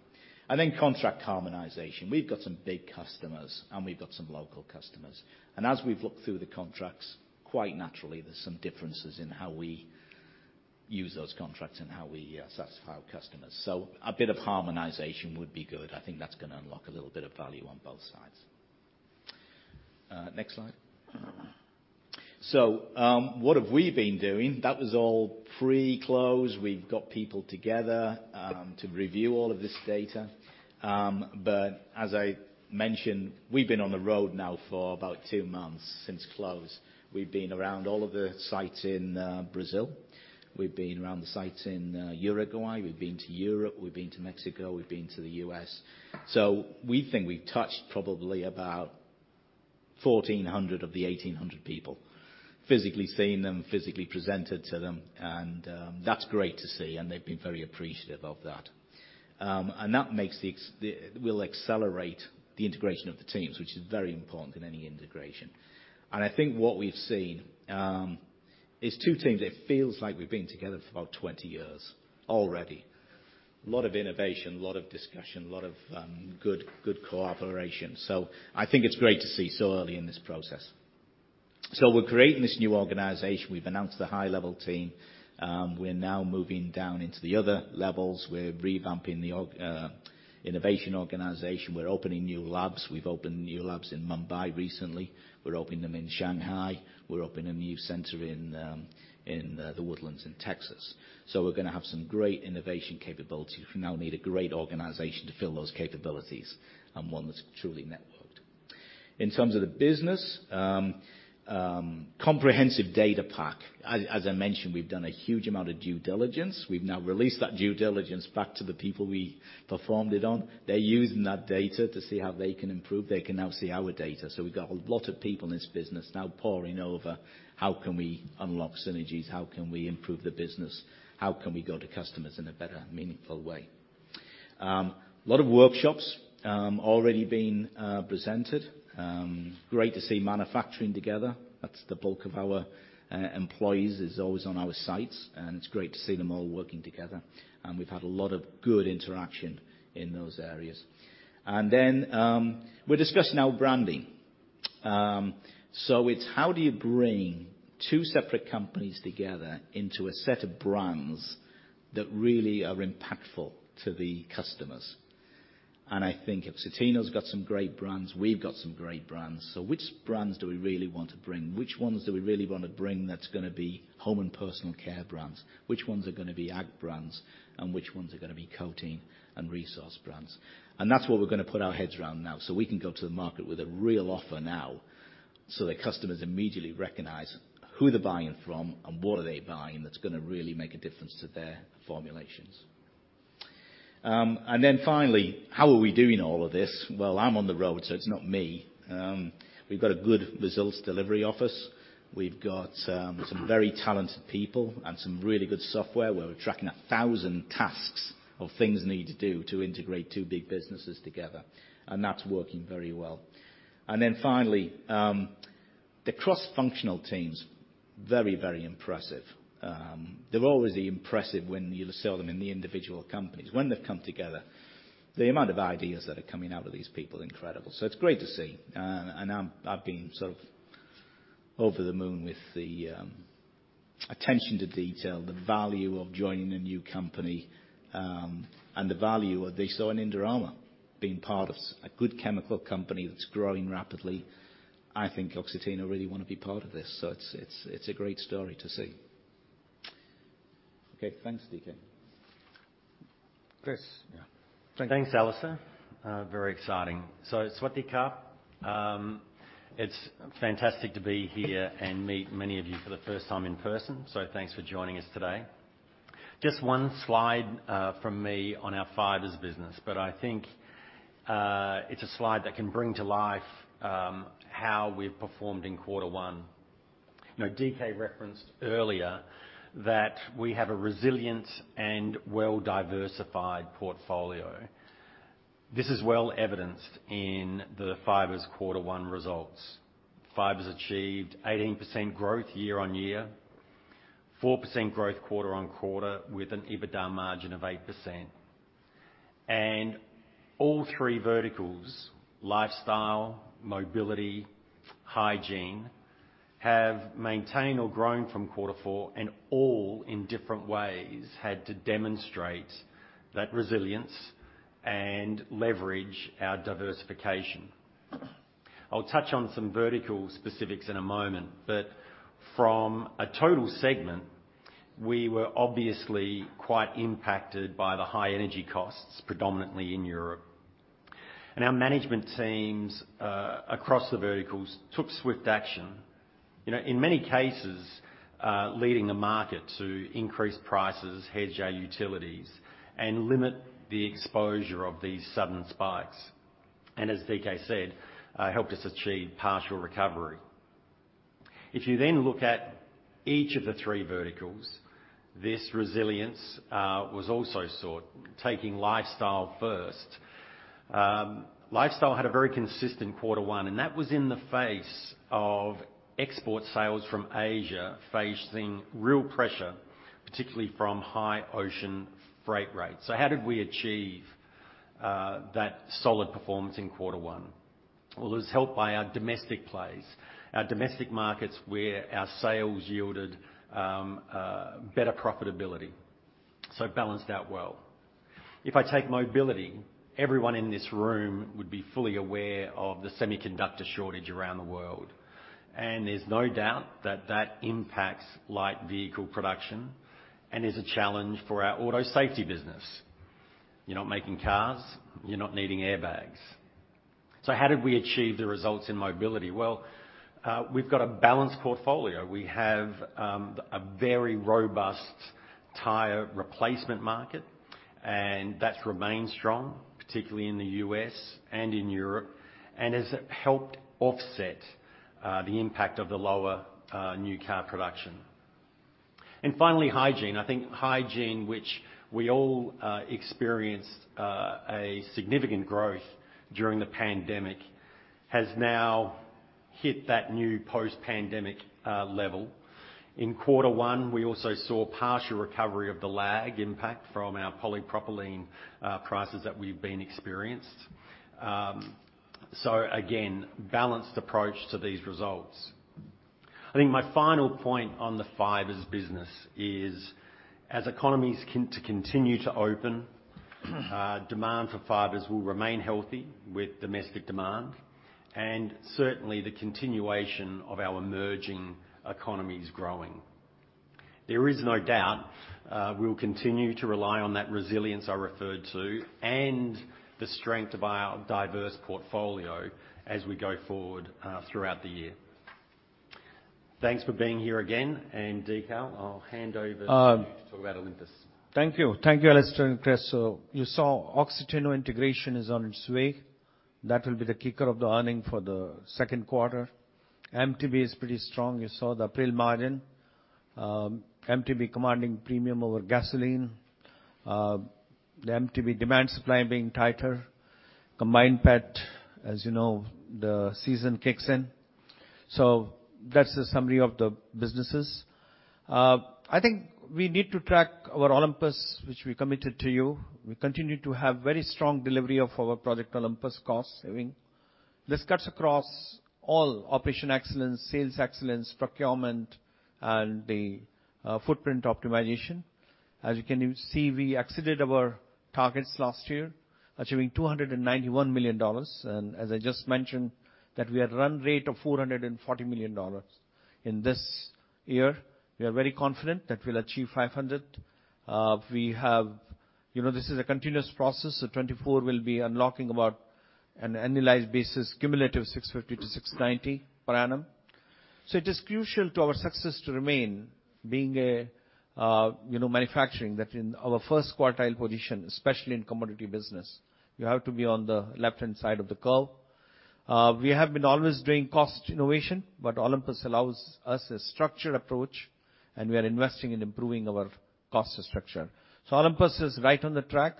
S3: Then contract harmonization. We've got some big customers, and we've got some local customers. As we've looked through the contracts, quite naturally, there's some differences in how we use those contracts and how we satisfy our customers. A bit of harmonization would be good. I think that's gonna unlock a little bit of value on both sides. Next slide. What have we been doing? That was all pre-close. We've got people together to review all of this data. But as I mentioned, we've been on the road now for about two months since close. We've been around all of the sites in Brazil. We've been around the sites in Uruguay. We've been to Europe. We've been to Mexico. We've been to the U.S. We think we've touched probably about 1,400 of the 1,800 people. Physically seen them, physically presented to them, and that's great to see, and they've been very appreciative of that. That will accelerate the integration of the teams, which is very important in any integration. I think what we've seen is two teams, it feels like we've been together for about 20 years already. Lots of innovation, a lot of discussion, a lot of good cooperation. I think it's great to see so early in this process. We're creating this new organization. We've announced the high level team. We're now moving down into the other levels. We're revamping the org innovation organization. We're opening new labs. We've opened new labs in Mumbai recently. We're opening them in Shanghai. We're opening a new center in The Woodlands in Texas. We're gonna have some great innovation capability. We now need a great organization to fill those capabilities, and one that's truly networked. In terms of the business, comprehensive data pack. As I mentioned, we've done a huge amount of due diligence. We've now released that due diligence back to the people we performed it on. They're using that data to see how they can improve. They can now see our data. We've got a lot of people in this business now poring over how can we unlock synergies? How can we improve the business? How can we go to customers in a better, meaningful way? Lot of workshops already been presented. Great to see manufacturing together. That's the bulk of our employees is always on our sites, and it's great to see them all working together, and we've had a lot of good interaction in those areas. We're discussing our branding. It's how do you bring two separate companies together into a set of brands that really are impactful to the customers? I think Oxiteno's got some great brands. We've got some great brands. Which brands do we really want to bring? Which ones do we really wanna bring that's gonna be home and personal care brands? Which ones are gonna be ag brands? Which ones are gonna be coating and resource brands? That's what we're gonna put our heads around now, so we can go to the market with a real offer now, so that customers immediately recognize who they're buying from and what are they buying that's gonna really make a difference to their formulations. How are we doing all of this? Well, I'm on the road, so it's not me. We've got a good results delivery office. We've got some very talented people and some really good software where we're tracking 1,000 tasks of things we need to do to integrate two big businesses together, and that's working very well. The cross-functional teams, very, very impressive. They're always impressive when you saw them in the individual companies. When they've come together, the amount of ideas that are coming out of these people, incredible. It's great to see. I've been sort of over the moon with the attention to detail, the value of joining a new company, and the value they saw in Indorama. Being part of a good chemical company that's growing rapidly, I think Oxiteno really wanna be part of this. It's a great story to see. Okay, thanks, D.K. Chris. Yeah.
S4: Thanks, Alastair. Very exciting. Sawasdee Khrap, it's fantastic to be here and meet many of you for the first time in person, so thanks for joining us today. Just one slide from me on our fibers business, but I think it's a slide that can bring to life how we've performed in quarter one. You know, D.K. referenced earlier that we have a resilient and well-diversified portfolio. This is well-evidenced in the fibers quarter one results. Fibers achieved 18% growth year-on-year, 4% growth quarter-on-quarter with an EBITDA margin of 8%. All three verticals, lifestyle, mobility, hygiene, have maintained or grown from quarter four and all in different ways had to demonstrate that resilience and leverage our diversification. I'll touch on some vertical specifics in a moment, but from a total segment, we were obviously quite impacted by the high energy costs, predominantly in Europe. Our management teams across the verticals took swift action. You know, in many cases, leading the market to increase prices, hedge our utilities, and limit the exposure of these sudden spikes. As D.K. said, helped us achieve partial recovery. If you then look at each of the three verticals, this resilience was also sought. Taking Lifestyle first. Lifestyle had a very consistent quarter one, and that was in the face of export sales from Asia facing real pressure, particularly from high ocean freight rates. How did we achieve that solid performance in quarter one? Well, it was helped by our domestic plays. Our domestic markets where our sales yielded better profitability. It balanced out well. If I take mobility, everyone in this room would be fully aware of the semiconductor shortage around the world, and there's no doubt that that impacts light vehicle production and is a challenge for our auto safety business. You're not making cars, you're not needing airbags. How did we achieve the results in mobility? Well, we've got a balanced portfolio. We have a very robust tire replacement market, and that's remained strong, particularly in the U.S. and in Europe, and has helped offset the impact of the lower new car production. Finally, hygiene. I think hygiene, which we all experienced a significant growth during the pandemic, has now hit that new post-pandemic level. In quarter one, we also saw partial recovery of the lag impact from our polypropylene prices that we've been experienced. Again, balanced approach to these results. I think my final point on the Fibers business is as economies continue to open, demand for fibers will remain healthy with domestic demand and certainly the continuation of our emerging economies growing. There is no doubt, we'll continue to rely on that resilience I referred to and the strength of our diverse portfolio as we go forward throughout the year. Thanks for being here again. D.K. Agarwal, I'll hand over to you to talk about Olympus.
S2: Thank you. Thank you, Alastair and Chris. You saw Oxiteno integration is on its way. That will be the kicker of the earnings for the second quarter. MTBE is pretty strong. You saw the April margin. MTBE commanding premium over gasoline. The MTBE demand supply being tighter. Combined PET, as you know, the season kicks in. That's the summary of the businesses. I think we need to track our Project Olympus, which we committed to you. We continue to have very strong delivery of our Project Olympus cost saving. This cuts across all operational excellence, sales excellence, procurement, and the footprint optimization. As you can see, we exceeded our targets last year, achieving $291 million. As I just mentioned, that we are run rate of $440 million. In this year, we are very confident that we'll achieve 500. We have. You know, this is a continuous process. 2024 will be unlocking about an annualized basis, cumulative 650-690 per annum. It is crucial to our success to remain being a manufacturing that in our first quartile position, especially in commodity business. You have to be on the left-hand side of the curve. We have been always doing cost innovation, but Olympus allows us a structured approach, and we are investing in improving our cost structure. Olympus is right on the track.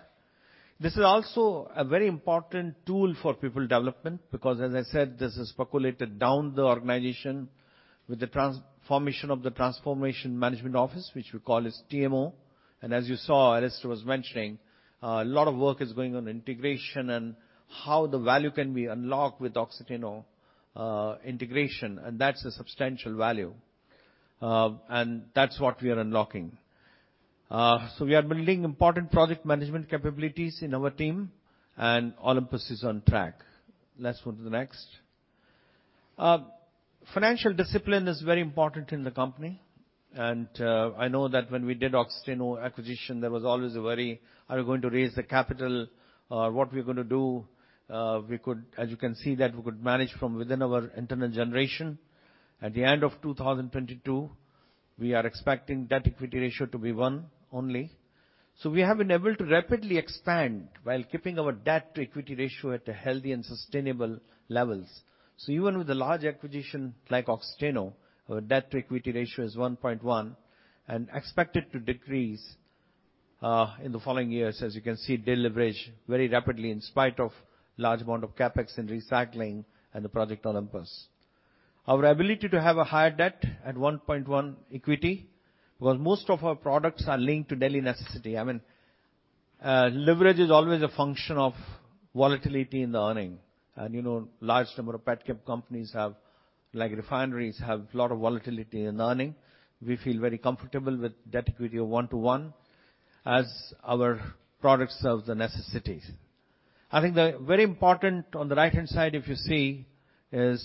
S2: This is also a very important tool for people development because, as I said, this is percolated down the organization with the transformation management office, which we call as TMO. As you saw, Alastair was mentioning a lot of work is going on integration and how the value can be unlocked with Oxiteno integration, and that's a substantial value. That's what we are unlocking. We are building important project management capabilities in our team, and Olympus is on track. Let's move to the next. Financial discipline is very important in the company, and I know that when we did Oxiteno acquisition, there was always a worry, are we going to raise the capital, what we're gonna do. As you can see, that we could manage from within our internal generation. At the end of 2022, we are expecting debt equity ratio to be one only. We have been able to rapidly expand while keeping our debt to equity ratio at a healthy and sustainable levels. Even with the large acquisition like Oxiteno, our debt to equity ratio is 1.1 and expected to decrease in the following years. As you can see, de-leverage very rapidly in spite of large amount of CapEx in recycling and the Project Olympus. Our ability to have a higher debt at 1.1 equity was most of our products are linked to daily necessity. I mean, leverage is always a function of volatility in the earnings. You know, large number of petchem companies have, like refineries, have a lot of volatility in earnings. We feel very comfortable with debt equity of 1:1 as our product serves the necessities. I think the very important on the right-hand side, if you see, is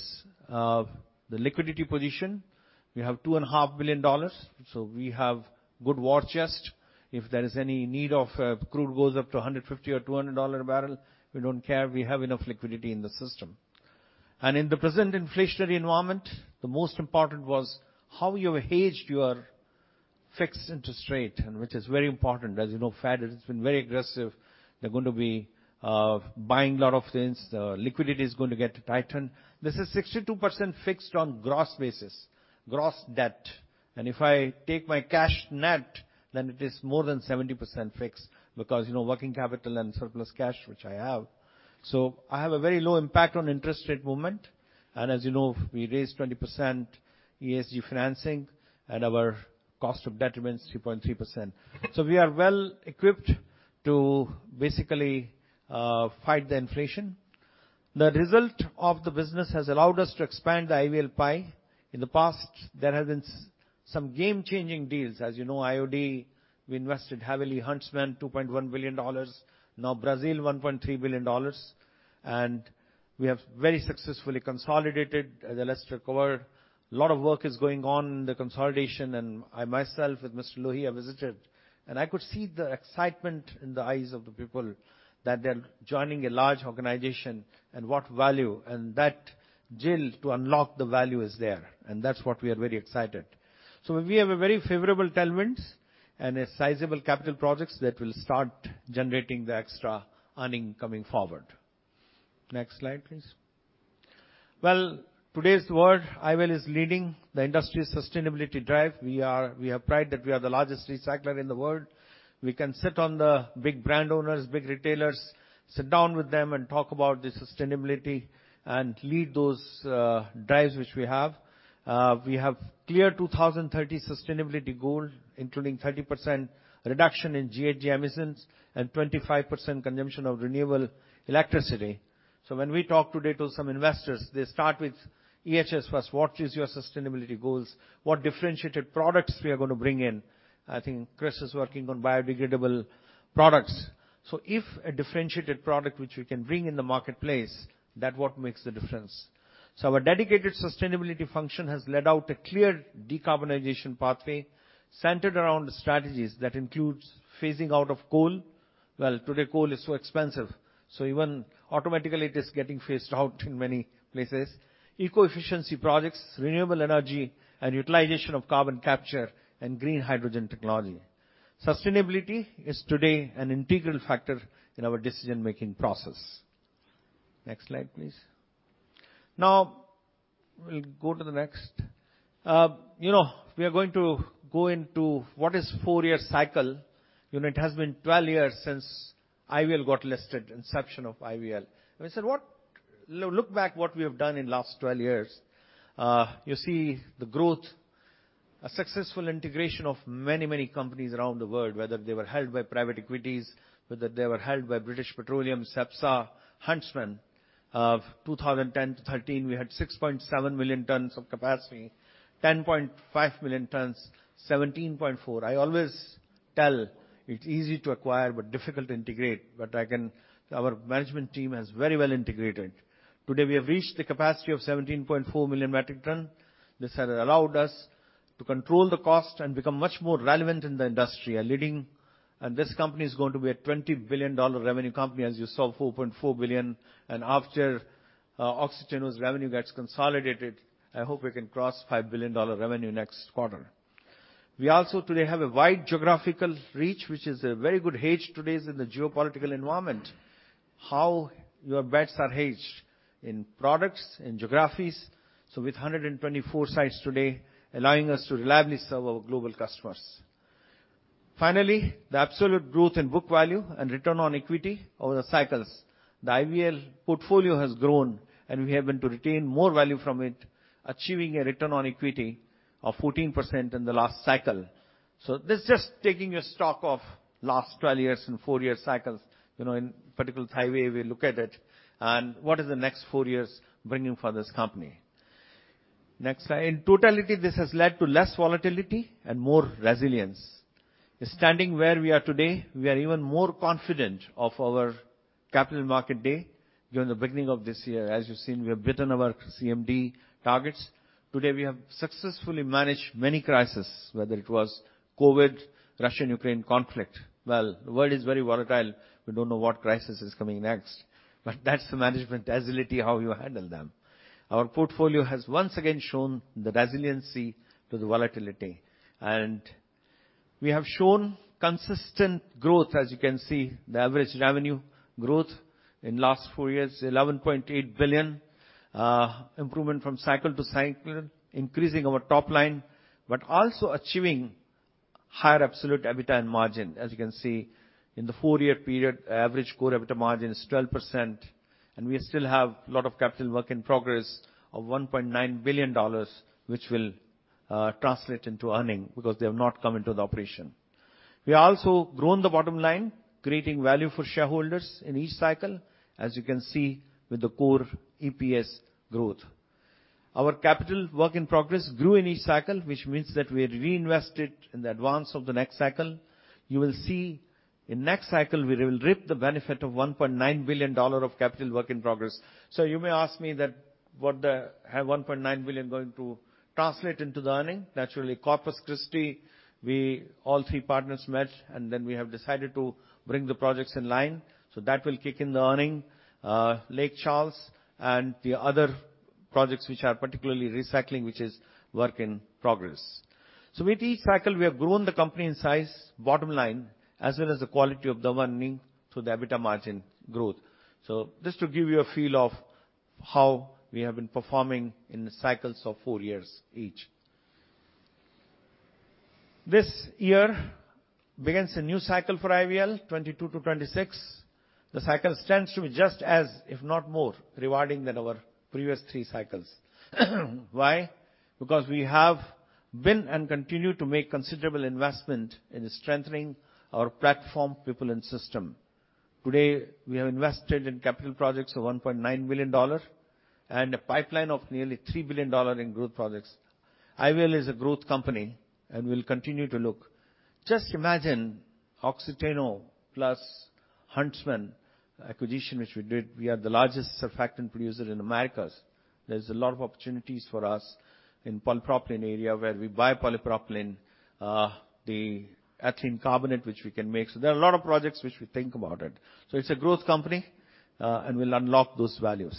S2: the liquidity position. We have $2.5 billion, so we have good war chest. If there is any need of crude goes up to $150 or $200 a barrel, we don't care. We have enough liquidity in the system. In the present inflationary environment, the most important was how you hedged your fixed interest rate, and which is very important. As you know, Fed has been very aggressive. They're going to be buying a lot of things. The liquidity is going to get tightened. This is 62% fixed on gross basis, gross debt. If I take my cash net, then it is more than 70% fixed because, you know, working capital and surplus cash, which I have. I have a very low impact on interest rate movement. As you know, we raised 20% ESG financing and our cost of debt remains 3.3%. We are well equipped to basically fight the inflation. The result of the business has allowed us to expand the IVL pie. In the past, there have been some game-changing deals. As you know, IOD, we invested heavily. Huntsman, $2.1 billion. Now Brazil, $1.3 billion. We have very successfully consolidated, as Alastair covered. A lot of work is going on in the consolidation, and I myself with Mr. Lohia have visited. I could see the excitement in the eyes of the people that they're joining a large organization, and what value, and that zeal to unlock the value is there. That's what we are very excited. We have a very favorable tailwinds and a sizable capital projects that will start generating the extra earning coming forward. Next slide, please. Well, today's world, IVL is leading the industry sustainability drive. We are proud that we are the largest recycler in the world. We can sit with the big brand owners, big retailers, sit down with them and talk about the sustainability and lead those, drives which we have. We have clear 2030 sustainability goal, including 30% reduction in GHG emissions and 25% consumption of renewable electricity. When we talk today to some investors, they start with EHS first. What is your sustainability goals? What differentiated products we are gonna bring in? I think Chris is working on biodegradable products. If a differentiated product which we can bring in the marketplace, that's what makes the difference. Our dedicated sustainability function has laid out a clear decarbonization pathway centered around the strategies that includes phasing out of coal. Well, today, coal is so expensive, so even automatically it is getting phased out in many places. Eco-efficiency projects, renewable energy, and utilization of carbon capture and green hydrogen technology. Sustainability is today an integral factor in our decision-making process. Next slide, please. Now, we'll go to the next. You know, we are going to go into what is four-year cycle. You know, it has been 12 years since IVL got listed, inception of IVL. We said, look back what we have done in last 12 years. You see the growth, a successful integration of many, many companies around the world, whether they were held by private equities, whether they were held by British Petroleum, Cepsa, Huntsman. 2010-2013, we had 6.7 million tons of capacity, 10.5 million tons, 17.4. I always tell it's easy to acquire, but difficult to integrate. Our management team has very well integrated. Today, we have reached the capacity of 17.4 million metric tons. This has allowed us to control the cost and become much more relevant in the industry, leading. This company is going to be a $20 billion revenue company, as you saw, $4.4 billion. After, Oxiteno's revenue gets consolidated, I hope we can cross $5 billion revenue next quarter. We also today have a wide geographical reach, which is a very good hedge today in the geopolitical environment, how your bets are hedged in products, in geographies. With 124 sites today, allowing us to reliably serve our global customers. Finally, the absolute growth in book value and return on equity over the cycles. The IVL portfolio has grown, and we have been able to retain more value from it, achieving a return on equity of 14% in the last cycle. This is just taking stock of last 12 years and four year cycles, you know, in particular how we look at it and what is the next four years bringing for this company. Next slide. In totality, this has led to less volatility and more resilience. Standing where we are today, we are even more confident of our Capital Market Day during the beginning of this year. As you've seen, we have beaten our CMD targets. Today, we have successfully managed many crises, whether it was COVID, Russia-Ukraine conflict. Well, the world is very volatile. We don't know what crisis is coming next, but that's the management agility, how you handle them. Our portfolio has once again shown the resiliency to the volatility. We have shown consistent growth. As you can see, the average revenue growth in last four years, $11.8 billion, improvement from cycle to cycle, increasing our top line, but also achieving higher absolute EBITDA and margin. As you can see, in the four year period, average core EBITDA margin is 12%, and we still have a lot of capital work in progress of $1.9 billion which will translate into earning because they have not come into the operation. We also grown the bottom line, creating value for shareholders in each cycle, as you can see with the core EPS growth. Our capital work in progress grew in each cycle, which means that we had reinvested in the advance of the next cycle. You will see in next cycle, we will reap the benefit of $1.9 billion of capital work in progress. You may ask me that what the $1.9 billion going to translate into the earning. Naturally, Corpus Christi, All three partners met, and then we have decided to bring the projects in line. That will kick in the earning. Lake Charles and the other projects which are particularly recycling, which is work in progress. With each cycle, we have grown the company in size, bottom line, as well as the quality of the earning through the EBITDA margin growth. Just to give you a feel of how we have been performing in the cycles of four years each. This year begins a new cycle for IVL, 2022-2026. The cycle stands to be just as, if not more, rewarding than our previous three cycles. Why? Because we have been and continue to make considerable investment in strengthening our platform, people, and system. Today, we have invested in capital projects of $1.9 billion and a pipeline of nearly $3 billion in growth projects. IVL is a growth company, and we'll continue to look. Just imagine Oxiteno plus Huntsman acquisition, which we did. We are the largest surfactant producer in Americas. There's a lot of opportunities for us in polypropylene area, where we buy polypropylene, the ethylene carbonate, which we can make. There are a lot of projects which we think about it. It's a growth company, and we'll unlock those values.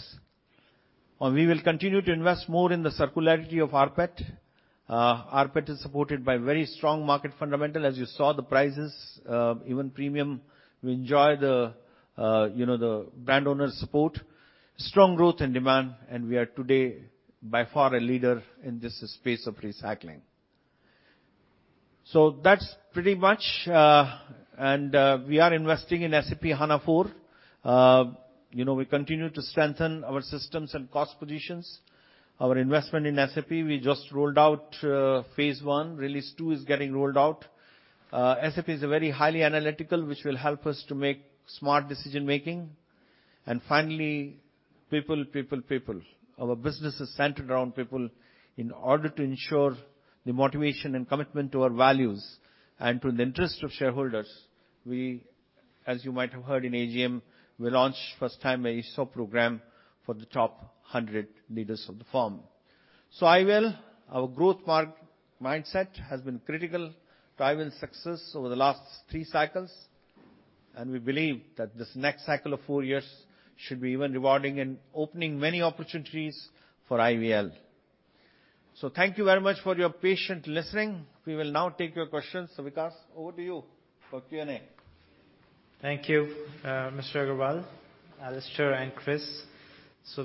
S2: We will continue to invest more in the circularity of rPET. rPET is supported by very strong market fundamentals. As you saw the prices, even premium, we enjoy the brand owner support. Strong growth and demand, and we are today, by far, a leader in this space of recycling. That's pretty much, we are investing in SAP S/4HANA. We continue to strengthen our systems and cost positions. Our investment in SAP, we just rolled out phase 1. Release 2 is getting rolled out. SAP is a very highly analytical, which will help us to make smart decision-making. Finally, people. Our business is centered around people. In order to ensure the motivation and commitment to our values and to the interest of shareholders, we, as you might have heard in AGM, we launched first time an ESOP program for the top 100 leaders of the firm. IVL, our growth mindset has been critical to IVL's success over the last three cycles, and we believe that this next cycle of four years should be even rewarding and opening many opportunities for IVL. Thank you very much for your patience in listening. We will now take your questions. Vikash, over to you for Q&A.
S1: Thank you, Mr. Agarwal, Alistair, and Chris.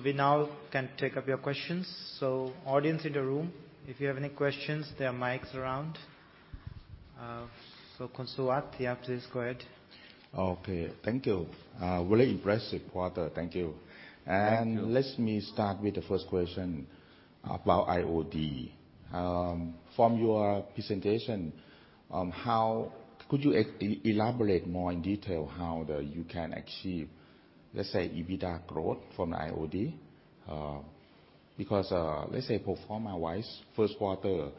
S1: We now can take up your questions. Audience in the room, if you have any questions, there are mics around. So Suwat, you have please go ahead.
S5: Okay. Thank you. Very impressive quarter. Thank you.
S2: Thank you.
S5: Let me start with the first question about IOD. From your presentation, how could you elaborate more in detail how you can achieve, let's say, EBITDA growth from the IOD? Because, let's say pro forma wise, first quarter,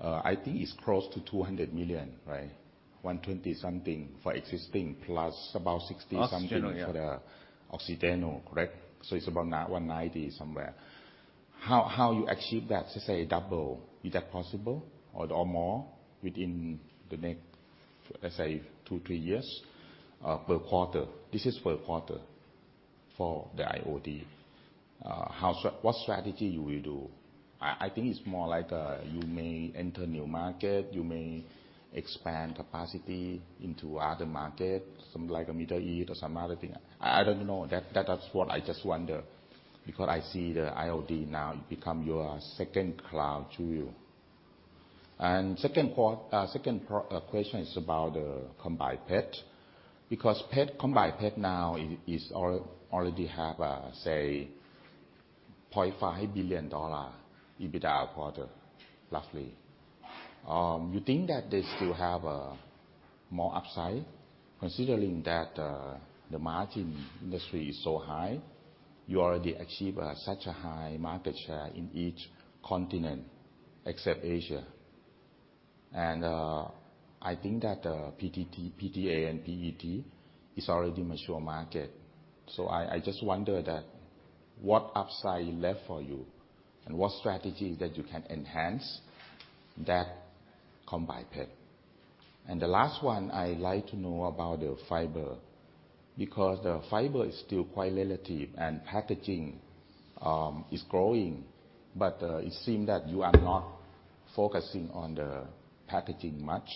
S5: I think it's close to 200 million, right? 120-something for existing plus about 60-something.
S2: Oxiteno, yeah.
S5: for the Oxiteno, correct? So it's about 190 somewhere. How you achieve that, let's say, double? Is that possible or more within the next, let's say, two, three years, per quarter? This is per quarter for the IOD. What strategy you will do? I think it's more like, you may enter new market, you may expand capacity into other market, something like Middle East or some other thing. I don't know. That is what I just wonder because I see the IOD now become your second largest to you. Second question is about the combined PET. Because PET, combined PET now is already have, say $0.5 billion EBITDA quarter, roughly. You think that they still have more upside considering that the margin industry is so high, you already achieve such a high market share in each continent except Asia. I think that PTT, PTA and PET is already mature market. I just wonder that what upside left for you and what strategy that you can enhance that Combined PET. The last one, I like to know about the fiber, because the fiber is still quite relevant, and packaging is growing. It seems that you are not focusing on the packaging much,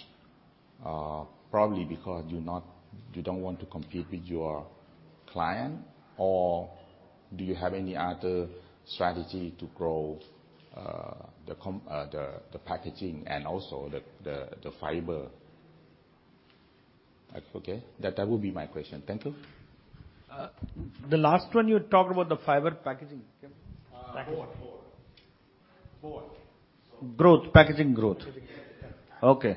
S5: probably because you don't want to compete with your client. Do you have any other strategy to grow the packaging and also the fiber? Okay. That will be my question. Thank you.
S2: The last one you talked about, the fiber packaging.
S5: Both.
S2: Growth. Packaging growth. Okay.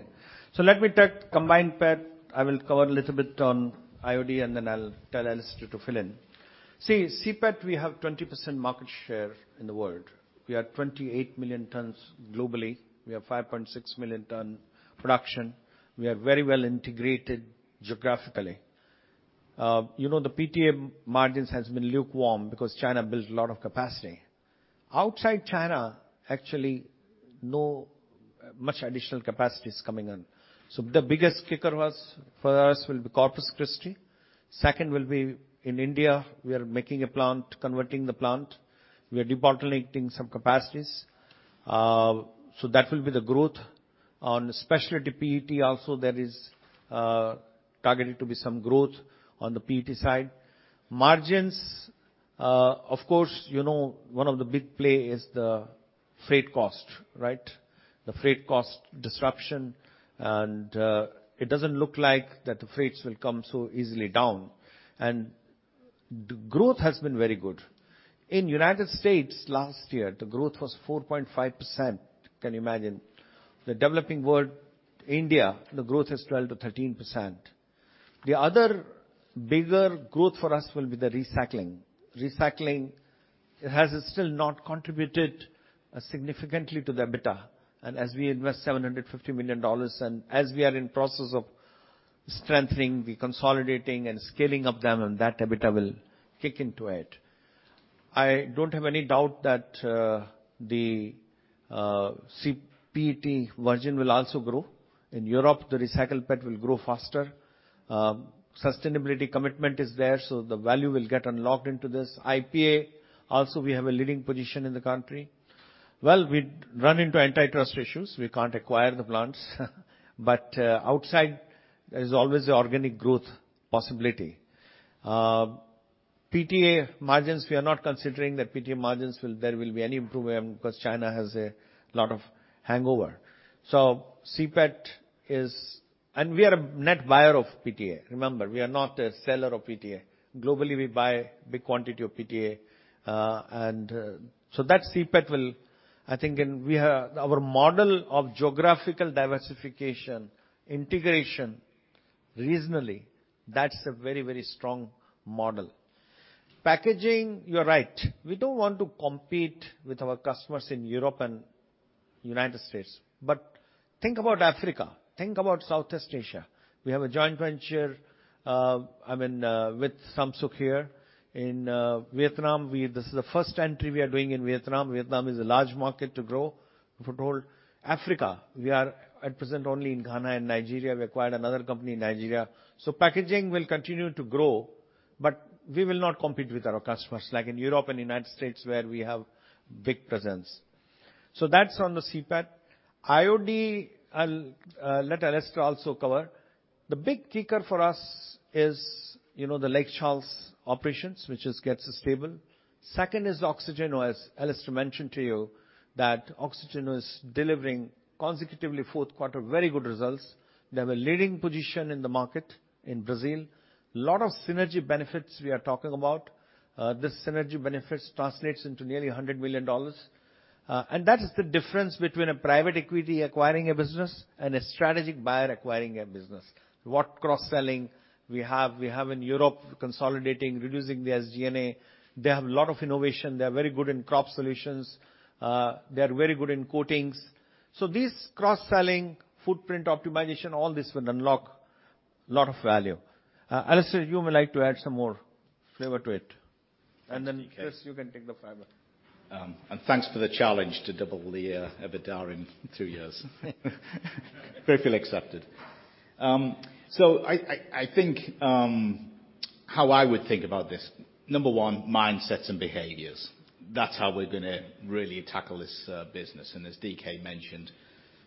S2: Let me take combined PET. I will cover a little bit on IOD, and then I'll tell Alastair to fill in. See, CPET, we have 20% market share in the world. We are 28 million tons globally. We have 5.6 million ton production. We are very well integrated geographically. You know, the PTA margins has been lukewarm because China built a lot of capacity. Outside China, actually, not much additional capacity is coming in. The biggest kicker was, for us, will be Corpus Christi. Second will be in India. We are making a plant, converting the plant. We are depolymerizing some capacities. That will be the growth. On specialty PET also, there is targeted to be some growth on the PET side. Margins, of course, you know, one of the big play is the freight cost, right? The freight cost disruption, it doesn't look like that the freights will come so easily down. The growth has been very good. In United States last year, the growth was 4.5%. Can you imagine? The developing world, India, the growth is 12%-13%. The other bigger growth for us will be the recycling. Recycling has still not contributed significantly to the EBITDA. As we invest $750 million, and as we are in process of strengthening, re-consolidating, and scaling up them, that EBITDA will kick into it. I don't have any doubt that the CPET version will also grow. In Europe, the recycled PET will grow faster. Sustainability commitment is there, so the value will get unlocked into this. IPA, also, we have a leading position in the country. We'd run into antitrust issues. We can't acquire the plants. Outside, there is always the organic growth possibility. PTA margins, we are not considering that PTA margins there will be any improvement because China has a lot of overhang. We are a net buyer of PTA. Remember, we are not a seller of PTA. Globally, we buy big quantity of PTA. We have our model of geographical diversification, integration, regionally, that's a very, very strong model. Packaging, you're right. We don't want to compete with our customers in Europe and United States. Think about Africa, think about Southeast Asia. We have a joint venture with SASA here. This is the first entry we are doing in Vietnam. Vietnam is a large market to grow. Africa, we are at present only in Ghana and Nigeria. We acquired another company in Nigeria. Packaging will continue to grow, but we will not compete with our customers like in Europe and United States, where we have big presence. That's on the CPET. IOD, I'll let Alastair also cover. The big kicker for us is, you know, the Lake Charles operations, which is gets us stable. Second is Oxiteno. As Alastair mentioned to you, that Oxiteno is delivering consecutively fourth quarter very good results. They have a leading position in the market in Brazil. Lot of synergy benefits we are talking about. This synergy benefits translates into nearly $100 million. That is the difference between a private equity acquiring a business and a strategic buyer acquiring a business. What cross-selling we have. We have in Europe, consolidating, reducing the SG&A. They have a lot of innovation. They're very good in crop solutions. They're very good in coatings. This cross-selling, footprint optimization, all this will unlock lot of value. Alastair, you may like to add some more flavor to it.
S5: Thanks, D.K.
S2: Chris, you can take the fiber.
S3: Thanks for the challenge to double the EBITDA in two years. Gratefully accepted. I think how I would think about this, number one, mindsets and behaviors. That's how we're gonna really tackle this business. As D.K. mentioned,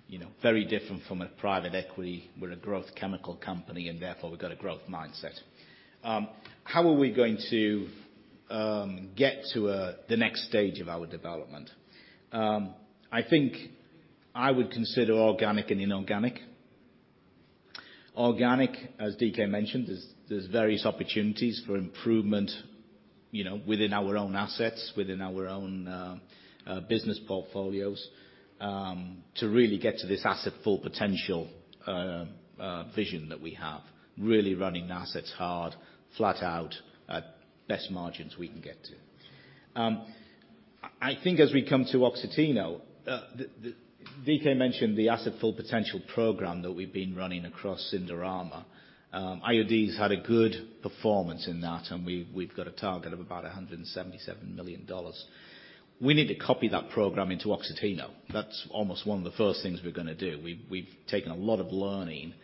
S3: you know, very different from a private equity. We're a growth chemical company, and therefore, we've got a growth mindset. How are we going to get to the next stage of our development? I think I would consider organic and inorganic. Organic, as D.K. mentioned, there's various opportunities for improvement, you know, within our own assets, within our own business portfolios, to really get to this Asset Full Potential vision that we have. Really running assets hard, flat out at best margins we can get to. I think as we come to Oxiteno, D.K. mentioned the Asset Full Potential program that we've been running across Indorama. IOD's had a good performance in that, and we've got a target of about $177 million. We need to copy that program into Oxiteno. That's almost one of the first things we're gonna do. We've taken a lot of learning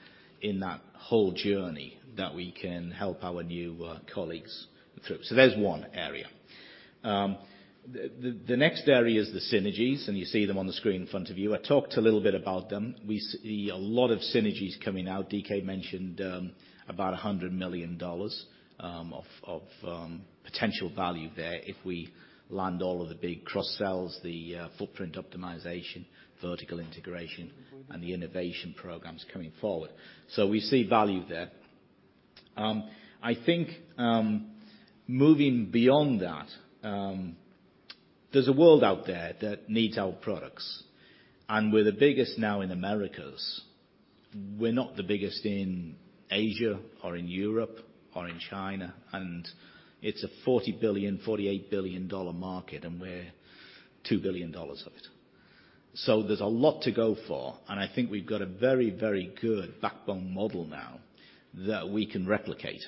S3: in that whole journey that we can help our new colleagues through. So there's one area. The next area is the synergies, and you see them on the screen in front of you. I talked a little bit about them. We see a lot of synergies coming out. DK mentioned about $100 million of potential value there if we land all of the big cross-sells, the footprint optimization, vertical integration, and the innovation programs coming forward. We see value there. I think moving beyond that, there's a world out there that needs our products, and we're the biggest now in Americas. We're not the biggest in Asia or in Europe or in China, and it's a $48 billion market, and we're $2 billion of it. There's a lot to go for, and I think we've got a very, very good backbone model now that we can replicate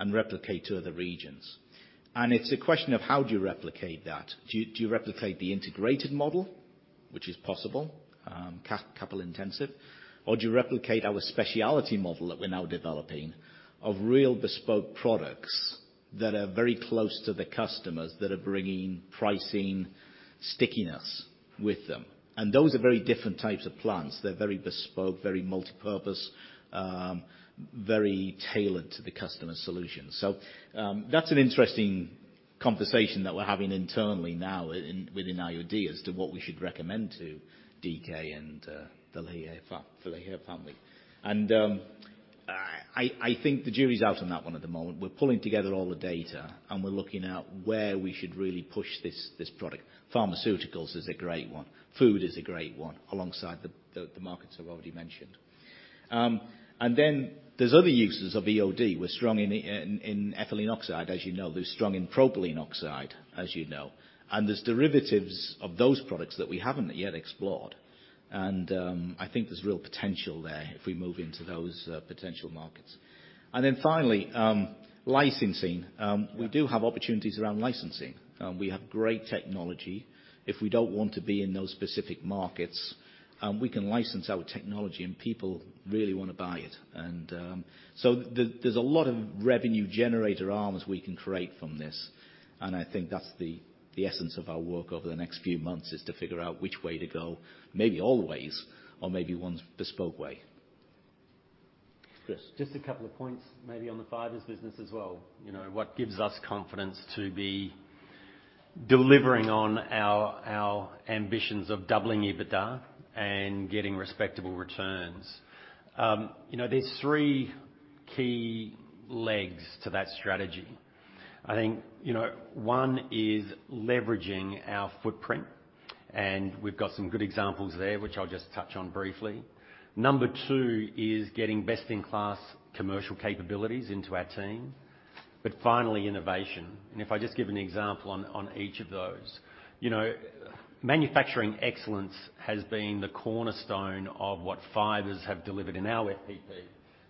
S3: to other regions. It's a question of how do you replicate that? Do you replicate the integrated model, which is possible, capital intensive? Do you replicate our speciality model that we're now developing of real bespoke products that are very close to the customers that are bringing pricing stickiness with them? Those are very different types of plans. They're very bespoke, very multipurpose, very tailored to the customer solution. That's an interesting conversation that we're having internally now within IOD as to what we should recommend to D.K. And the Lohia family. I think the jury's out on that one at the moment. We're pulling together all the data, and we're looking at where we should really push this product. Pharmaceuticals is a great one. Food is a great one, alongside the markets I've already mentioned. Then there's other uses of EOD. We're strong in ethylene oxide, as you know. We're strong in propylene oxide, as you know. There's derivatives of those products that we haven't yet explored. I think there's real potential there if we move into those potential markets. Finally, licensing. We do have opportunities around licensing. We have great technology. If we don't want to be in those specific markets, we can license our technology, and people really wanna buy it. There's a lot of revenue generator arms we can create from this. I think that's the essence of our work over the next few months, is to figure out which way to go, maybe all the ways or maybe one bespoke way.
S1: Chris?
S4: Just a couple of points maybe on the Fibers business as well. You know, what gives us confidence to be delivering on our ambitions of doubling EBITDA and getting respectable returns. You know, there's three key legs to that strategy. I think, you know, one is leveraging our footprint, and we've got some good examples there, which I'll just touch on briefly. Number two is getting best-in-class commercial capabilities into our team. Finally, innovation. If I just give an example on each of those. You know, manufacturing excellence has been the cornerstone of what Fibers have delivered in our AFP,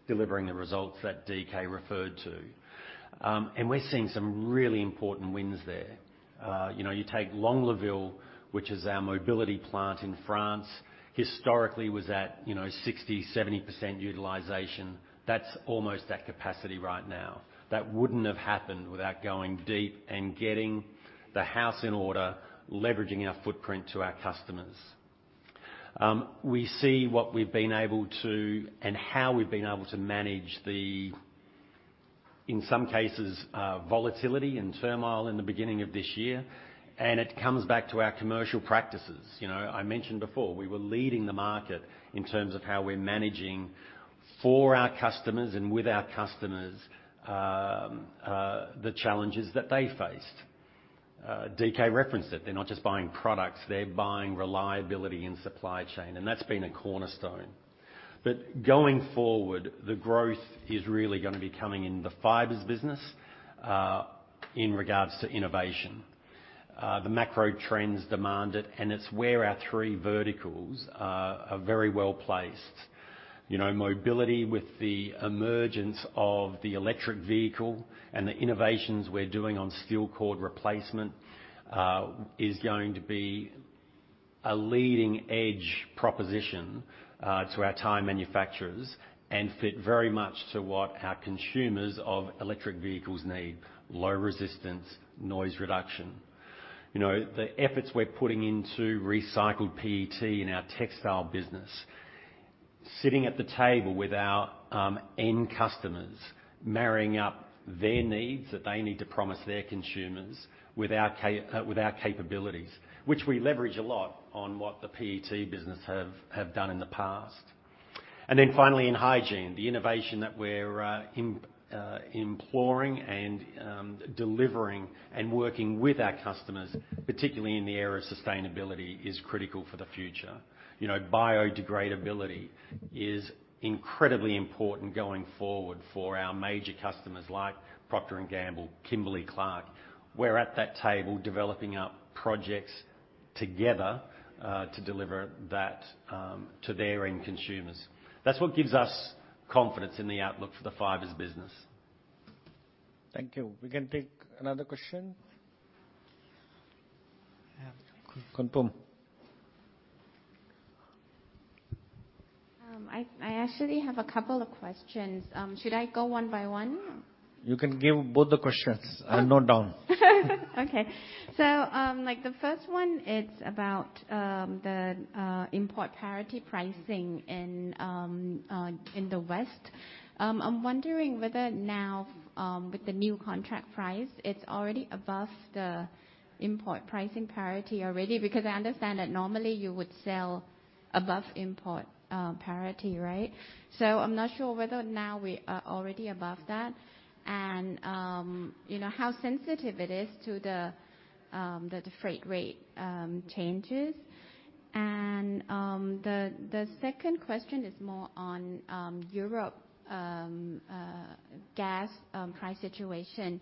S4: delivering the results that D.K. referred to. And we're seeing some really important wins there. You know, you take Longlaville, which is our mobility plant in France. Historically was at 60%-70% utilization. That's almost at capacity right now. That wouldn't have happened without going deep and getting the house in order, leveraging our footprint to our customers. We see what we've been able to and how we've been able to manage the, in some cases, volatility and turmoil in the beginning of this year, and it comes back to our commercial practices. You know, I mentioned before, we were leading the market in terms of how we're managing for our customers and with our customers, the challenges that they faced. D.K. referenced it. They're not just buying products, they're buying reliability and supply chain, and that's been a cornerstone. Going forward, the growth is really gonna be coming in the Fibers business, in regards to innovation. The macro trends demand it, and it's where our three verticals are very well-placed. You know, mobility with the emergence of the electric vehicle and the innovations we're doing on steel cord replacement is going to be a leading edge proposition to our tire manufacturers and fit very much to what our consumers of electric vehicles need, low resistance, noise reduction. You know, the efforts we're putting into recycled PET in our Textile business, sitting at the table with our end customers, marrying up their needs that they need to promise their consumers with our capabilities, which we leverage a lot on what the PET business have done in the past. Then finally in Hygiene, the innovation that we're implementing and delivering and working with our customers, particularly in the area of sustainability, is critical for the future. You know, biodegradability is incredibly important going forward for our major customers like Procter & Gamble, Kimberly-Clark. We're at that table developing new projects together, to deliver that, to their end consumers. That's what gives us confidence in the outlook for the Fibers business.
S1: Thank you. We can take another question.
S3: Yeah.
S1: Kun Pung.
S6: I actually have a couple of questions. Should I go one by one?
S1: You can give both the questions. I'll note down.
S6: Okay. Like, the first one it's about the import parity pricing in the West. I'm wondering whether now, with the new contract price, it's already above the import pricing parity already, because I understand that normally you would sell above import parity, right? I'm not sure whether now we are already above that and, you know, how sensitive it is to the freight rate changes. The second question is more on Europe gas price situation.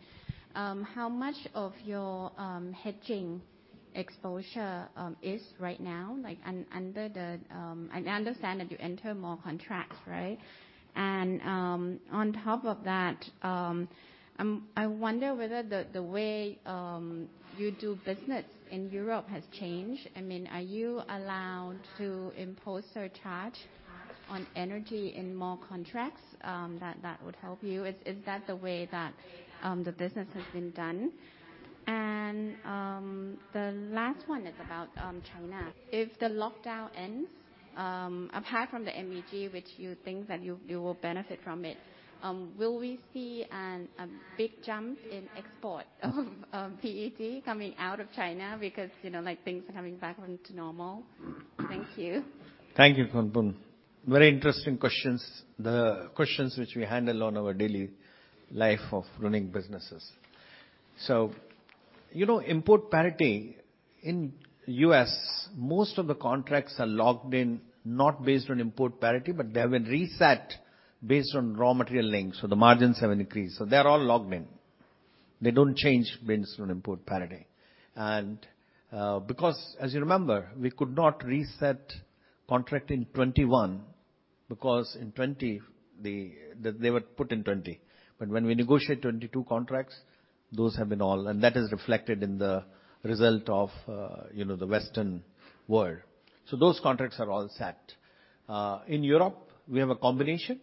S6: How much of your hedging exposure is right now, like under the? I understand that you enter more contracts, right? On top of that, I wonder whether the way you do business in Europe has changed. I mean, are you allowed to impose surcharge on energy in more contracts, that would help you? Is that the way that the business has been done? The last one is about China. If the lockdown ends, apart from the MEG, which you think that you will benefit from it, will we see a big jump in export of PET coming out of China because, you know, like, things are coming back to normal? Thank you.
S1: Thank you, Khun Pung. Very interesting questions. The questions which we handle on our daily life of running businesses.
S2: You know, import parity in U.S., most of the contracts are locked in, not based on import parity, but they have been reset based on raw material links. The margins have increased. They're all locked in. They don't change based on import parity. Because as you remember, we could not reset contract in 2021 because in 2020 they were put in 2020. When we negotiate 2022 contracts, those have been all and that is reflected in the result of the Western world. Those contracts are all set. In Europe, we have a combination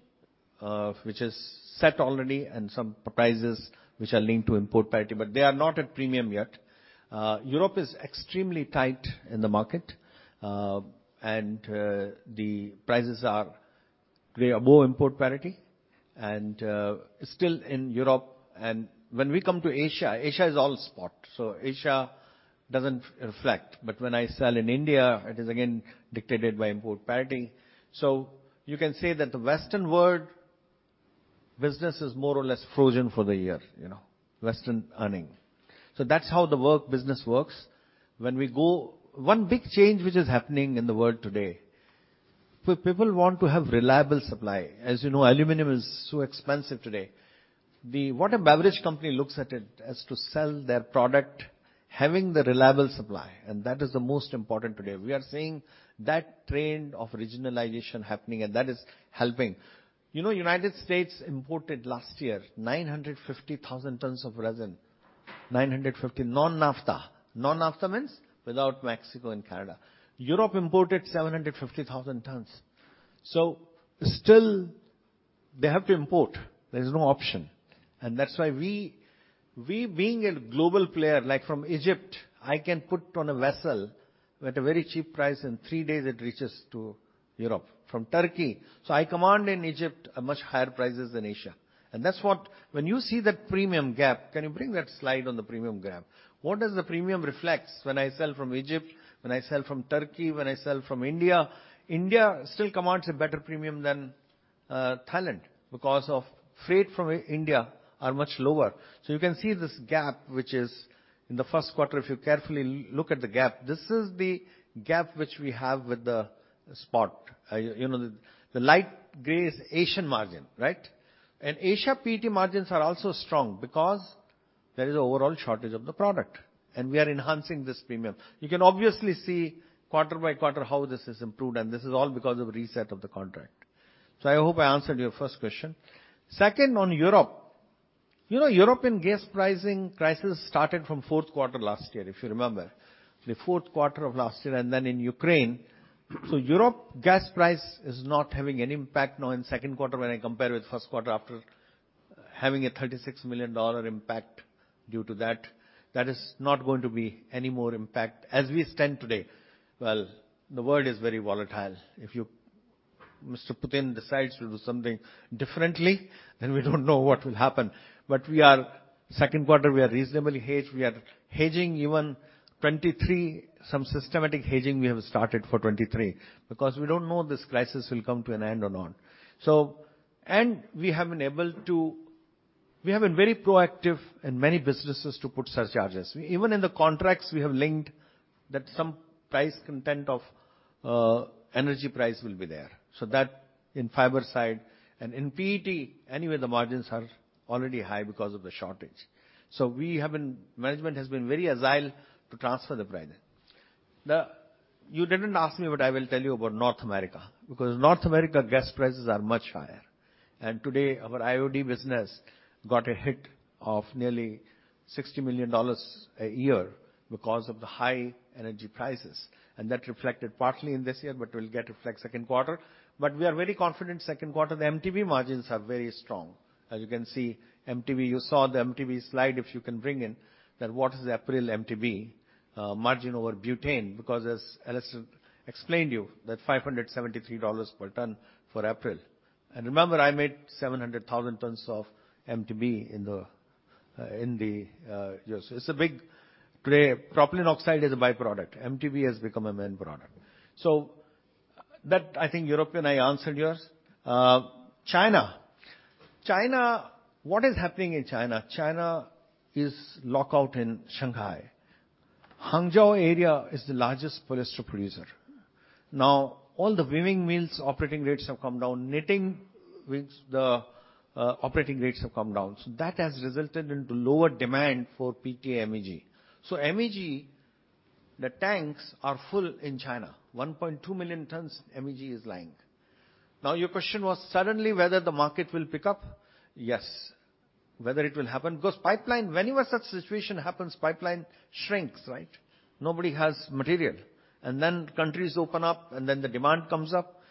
S2: which is set already and some prices which are linked to import parity, but they are not at premium yet. Europe is extremely tight in the market, and the prices are, they are above import parity and still in Europe. When we come to Asia is all spot, so Asia doesn't reflect. But when I sell in India, it is again dictated by import parity. You can say that the Western world business is more or less frozen for the year, you know, Western earning. That's how the world business works. One big change which is happening in the world today, people want to have reliable supply. As you know, aluminum is so expensive today. What a beverage company looks at it as to sell their product, having the reliable supply, and that is the most important today. We are seeing that trend of regionalization happening, and that is helping. You know, United States imported last year 950,000 tons of resin, 950,000 non-NAFTA. Non-NAFTA means without Mexico and Canada. Europe imported 750,000 tons. Still they have to import. There is no option. That's why we being a global player, like from Egypt, I can put on a vessel at a very cheap price, in three days it reaches to Europe. From Turkey. I command in Egypt a much higher prices than Asia. That's what. When you see that premium gap, can you bring that slide on the premium gap? What does the premium reflect when I sell from Egypt, when I sell from Turkey, when I sell from India? India still commands a better premium than, Thailand because of freight from India are much lower. You can see this gap, which is in the first quarter. If you carefully look at the gap, this is the gap which we have with the spot. You know, the light gray is Asian margin, right? Asia PET margins are also strong because there is overall shortage of the product, and we are enhancing this premium. You can obviously see quarter by quarter how this has improved, and this is all because of reset of the contract. I hope I answered your first question. Second, on Europe. You know, European gas pricing crisis started from fourth quarter last year, if you remember. The fourth quarter of last year and then in Ukraine. Europe gas price is not having any impact now in second quarter when I compare with first quarter after having a $36 million impact due to that. That is not going to be any more impact as we stand today. Well, the world is very volatile. If Mr. Putin decides to do something differently, then we don't know what will happen. Second quarter, we are reasonably hedged. We are hedging even 2023, some systematic hedging we have started for 2023, because we don't know this crisis will come to an end or not. We have been very proactive in many businesses to put surcharges. Even in the contracts we have linked that some price content of energy price will be there. So that in fiber side and in PET, anyway, the margins are already high because of the shortage. Management has been very agile to transfer the pricing. You didn't ask me, but I will tell you about North America, because North America gas prices are much higher. Today, our IOD business got a hit of nearly $60 million a year because of the high energy prices. That reflected partly in this year, but will get reflect second quarter. We are very confident second quarter, the MTBE margins are very strong. As you can see, MTBE, you saw the MTBE slide, if you can bring in, that what is the April MTBE margin over butane, because as Alastair explained to you, that $573 per ton for April. Remember, I made 700,000 tons of MTBE in the years. It's a big play. Propylene oxide is a by-product. MTBE has become a main product. That I think European I answered yours. China. China, what is happening in China? China is lockdown in Shanghai. Hangzhou area is the largest polyester producer. Now, all the weaving mills operating rates have come down. Knitting with the operating rates have come down. That has resulted into lower demand for PTA MEG. MEG, the tanks are full in China. 1.2 million tons MEG is lying. Now, your question was suddenly whether the market will pick up. Yes. Whether it will happen, because pipeline, whenever such situation happens, pipeline shrinks, right? Nobody has material. Then countries open up and then the demand comes up.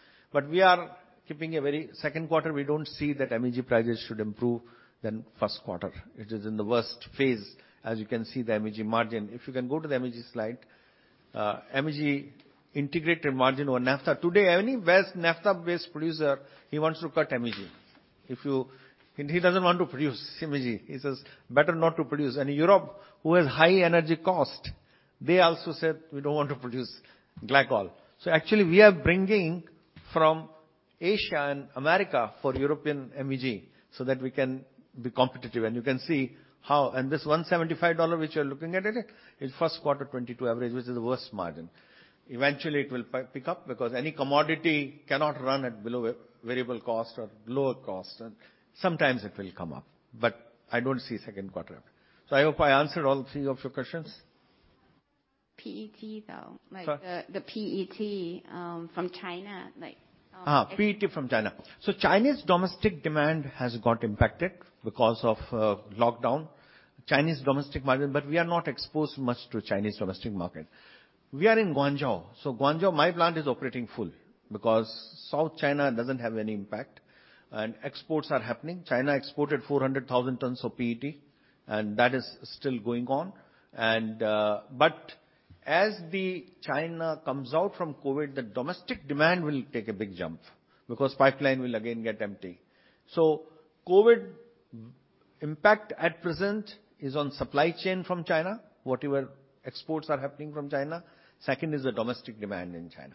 S2: We are keeping a very second quarter, we don't see that MEG prices should improve than first quarter. It is in the worst phase, as you can see the MEG margin. If you can go to the MEG slide. MEG integrated margin over naphtha. Today, any west naphtha-based producer, he wants to cut MEG. He doesn't want to produce MEG. He says, "Better not to produce." Europe, who has high energy cost, they also said, "We don't want to produce glycol." Actually, we are bringing from Asia and America for European MEG, so that we can be competitive. You can see how this $175 which you're looking at it, is first quarter 2022 average, which is the worst margin. Eventually, it will pick up because any commodity cannot run at below variable cost or lower cost, and sometimes it will come up. I don't see second quarter. I hope I answered all three of your questions.
S6: PET, though.
S2: Sorry.
S6: Like the PET from China, like.
S2: PET from China. China's domestic demand has got impacted because of lockdown. Chinese domestic market, but we are not exposed much to Chinese domestic market. We are in Guangzhou. Guangzhou, my plant is operating full because South China doesn't have any impact, and exports are happening. China exported 400,000 tons of PET, and that is still going on. As China comes out from COVID, the domestic demand will take a big jump because pipeline will again get empty. COVID impact at present is on supply chain from China, whatever exports are happening from China. Second is the domestic demand in China.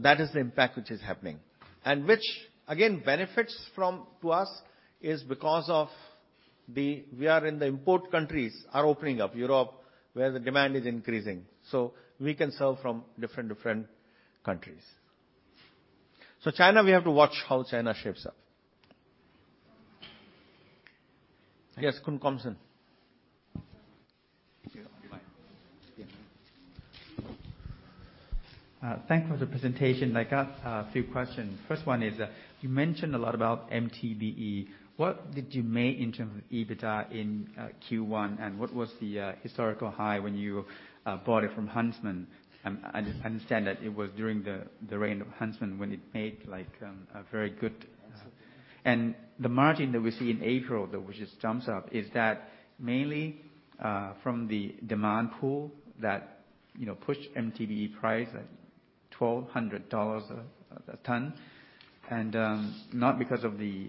S2: That is the impact which is happening, and which again, we are in the import countries are opening up, Europe, where the demand is increasing, so we can sell from different countries. China, we have to watch how China shapes up. Yes, Komsun.
S6: Thank you.
S2: Your mic.
S7: Yeah. Thank you for the presentation. I got a few questions. First one is, you mentioned a lot about MTBE. What did you make in terms of EBITDA in Q1, and what was the historical high when you bought it from Huntsman? I understand that it was during the reign of Huntsman when it made like a very good.
S2: Yes, sir.
S7: The margin that we see in April, which just jumps up, is that mainly from the demand pool that, you know, pushed MTBE price at $1,200 a ton and not because of the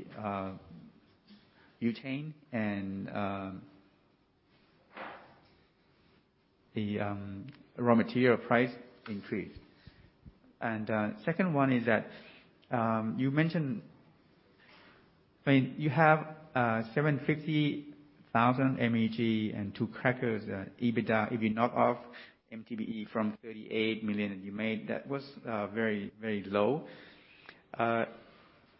S7: butane and the raw material price increase. Second one is that you mentioned. I mean, you have 750,000 MEG and two crackers EBITDA, if you knock off MTBE from $38 million that you made, that was very, very low.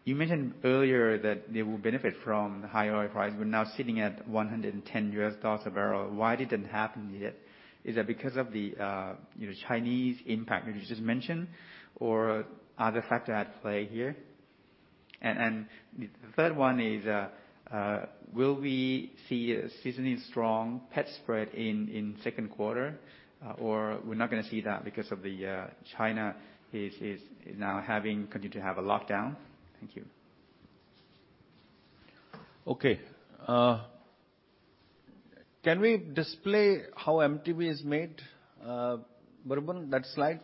S7: You mentioned earlier that they will benefit from the higher oil price. We're now sitting at $110 a barrel. Why didn't it happen yet? Is that because of the, you know, Chinese impact which you just mentioned or are there factors at play here? The third one is, will we see a seasonally strong PET spread in second quarter, or we're not gonna see that because China is now continuing to have a lockdown? Thank you.
S2: Okay. Can we display how MTBE is made, Baribun, that slide?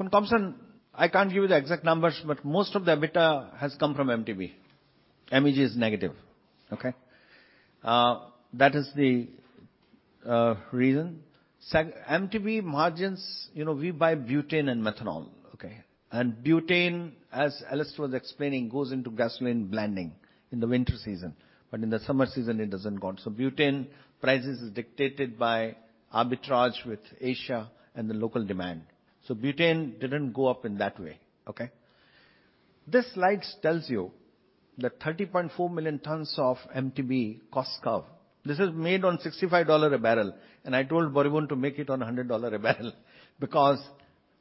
S2: Komsan, I can't give you the exact numbers, but most of the EBITDA has come from MTBE. MEG is negative. Okay? That is the reason. MTBE margins, you know, we buy butane and methanol. Okay? Butane, as Alastair was explaining, goes into gasoline blending in the winter season, but in the summer season, it doesn't go. Butane prices is dictated by arbitrage with Asia and the local demand. Butane didn't go up in that way. Okay? This slide tells you that 30.4 million tons of MTBE cost curve. This is made on $65 a barrel, and I told Baribun to make it on $100 a barrel because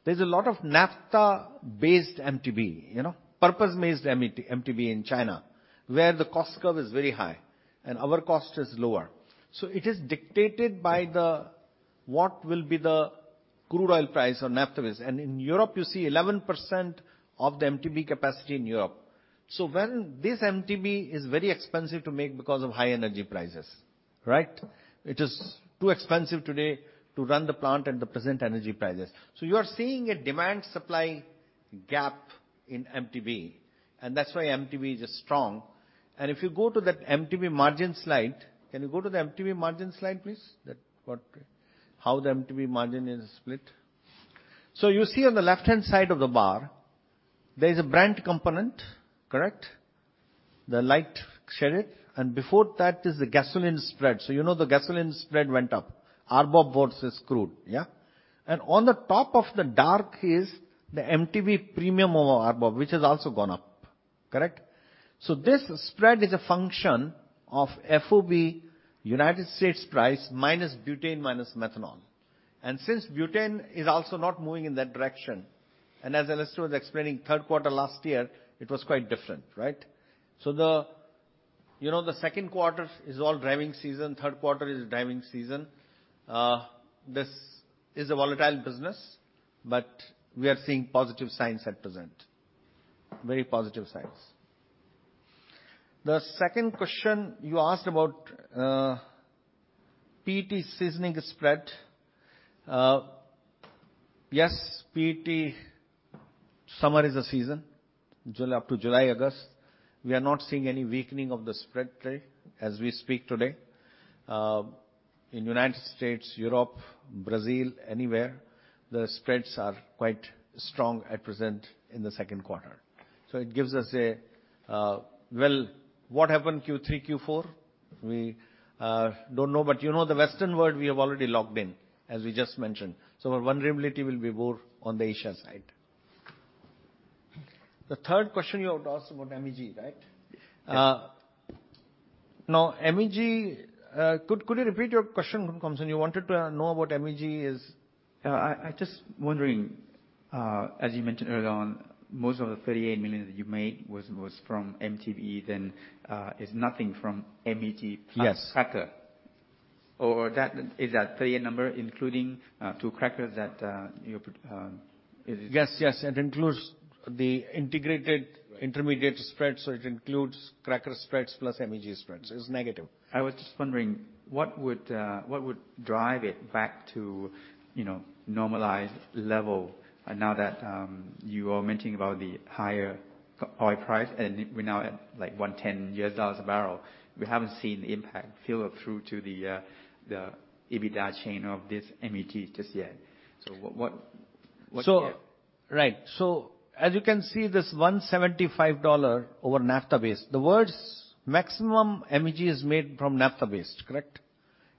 S2: there's a lot of naphtha-based MTBE, you know, purpose-based MTBE in China, where the cost curve is very high and our cost is lower. It is dictated by what will be the crude oil price or naphtha-based. In Europe, you see 11% of the MTBE capacity in Europe. When this MTBE is very expensive to make because of high energy prices, right? It is too expensive today to run the plant at the present energy prices. You are seeing a demand-supply gap in MTBE, and that's why MTBE is strong. If you go to that MTBE margin slide. Can you go to the MTBE margin slide, please? How the MTBE margin is split. You see on the left-hand side of the bar, there is a brand component. Correct? The light shaded. And before that is the gasoline spread. You know the gasoline spread went up. RBOB versus crude. Yeah? And on the top of the dark is the MTBE premium over RBOB, which has also gone up. Correct? This spread is a function of FOB United States price minus butane minus methanol. And since butane is also not moving in that direction, and as Alastair was explaining, third quarter last year, it was quite different, right? You know, the second quarter is all driving season. Third quarter is driving season. This is a volatile business, but we are seeing positive signs at present. Very positive signs. The second question you asked about, PET seasonal spread. Yes, PET summer is the season. July up to July, August, we are not seeing any weakening of the spread trade as we speak today. In United States, Europe, Brazil, anywhere, the spreads are quite strong at present in the second quarter. It gives us a well, what happen Q3, Q4? We don't know, but you know the Western world, we have already locked in, as we just mentioned. Our vulnerability will be more on the Asia side. The third question you have asked about MEG, right?
S7: Yes.
S2: Now MEG, could you repeat your question, Komsun? You wanted to know about MEG.
S7: Yeah. I just wondering, as you mentioned earlier on, most of the 38 million that you made was from MTBE, then, is nothing from MEG-
S2: Yes.
S7: ....plus cracker. Is that 38 number including two crackers that is it?
S2: Yes, yes. It includes the integrated.
S7: Right.
S2: Intermediate spreads. It includes cracker spreads +MEG spreads. It's negative.
S7: I was just wondering, what would drive it back to, you know, normalized level now that you are mentioning about the higher oil price and we're now at, like, $110 a barrel? We haven't seen the impact filter through to the EBITDA chain of this MEG just yet. What yet?
S2: Right. As you can see this $175 over naphtha-based, the world's maximum MEG is made from naphtha-based, correct?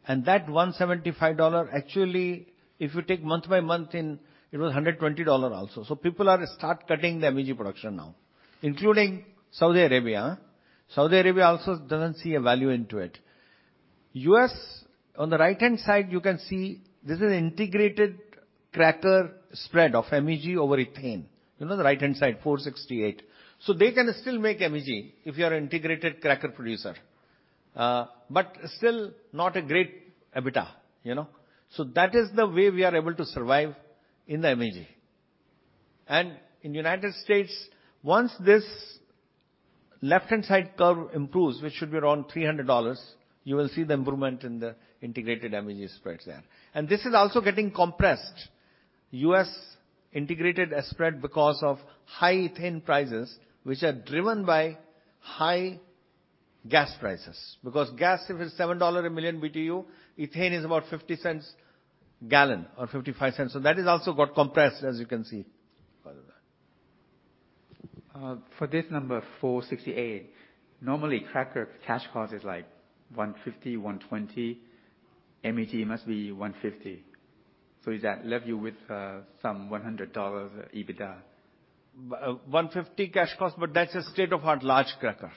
S2: That $175, actually, if you take month by month in, it was $120 also. People are starting to cut the MEG production now, including Saudi Arabia. Saudi Arabia also doesn't see value in it. In the U.S., on the right-hand side, you can see this is integrated cracker spread of MEG over ethane. The right-hand side, 468. They can still make MEG if you are an integrated cracker producer. But still not a great EBITDA. That is the way we are able to survive in the MEG. In the United States, once this left-hand side curve improves, which should be around $300, you will see the improvement in the integrated MEG spreads there. This is also getting compressed. U.S. integrated has spread because of high ethane prices, which are driven by high gas prices. Because gas, if it's $7 a million BTU, ethane is about $0.50 a gallon or $0.55. That has also got compressed, as you can see further down.
S7: For this number, $468, normally cracker cash cost is like $150, $120. MEG must be $150. Does that leave you with some $100 EBITDA?
S2: $150 cash cost, but that's a state-of-the-art large cracker.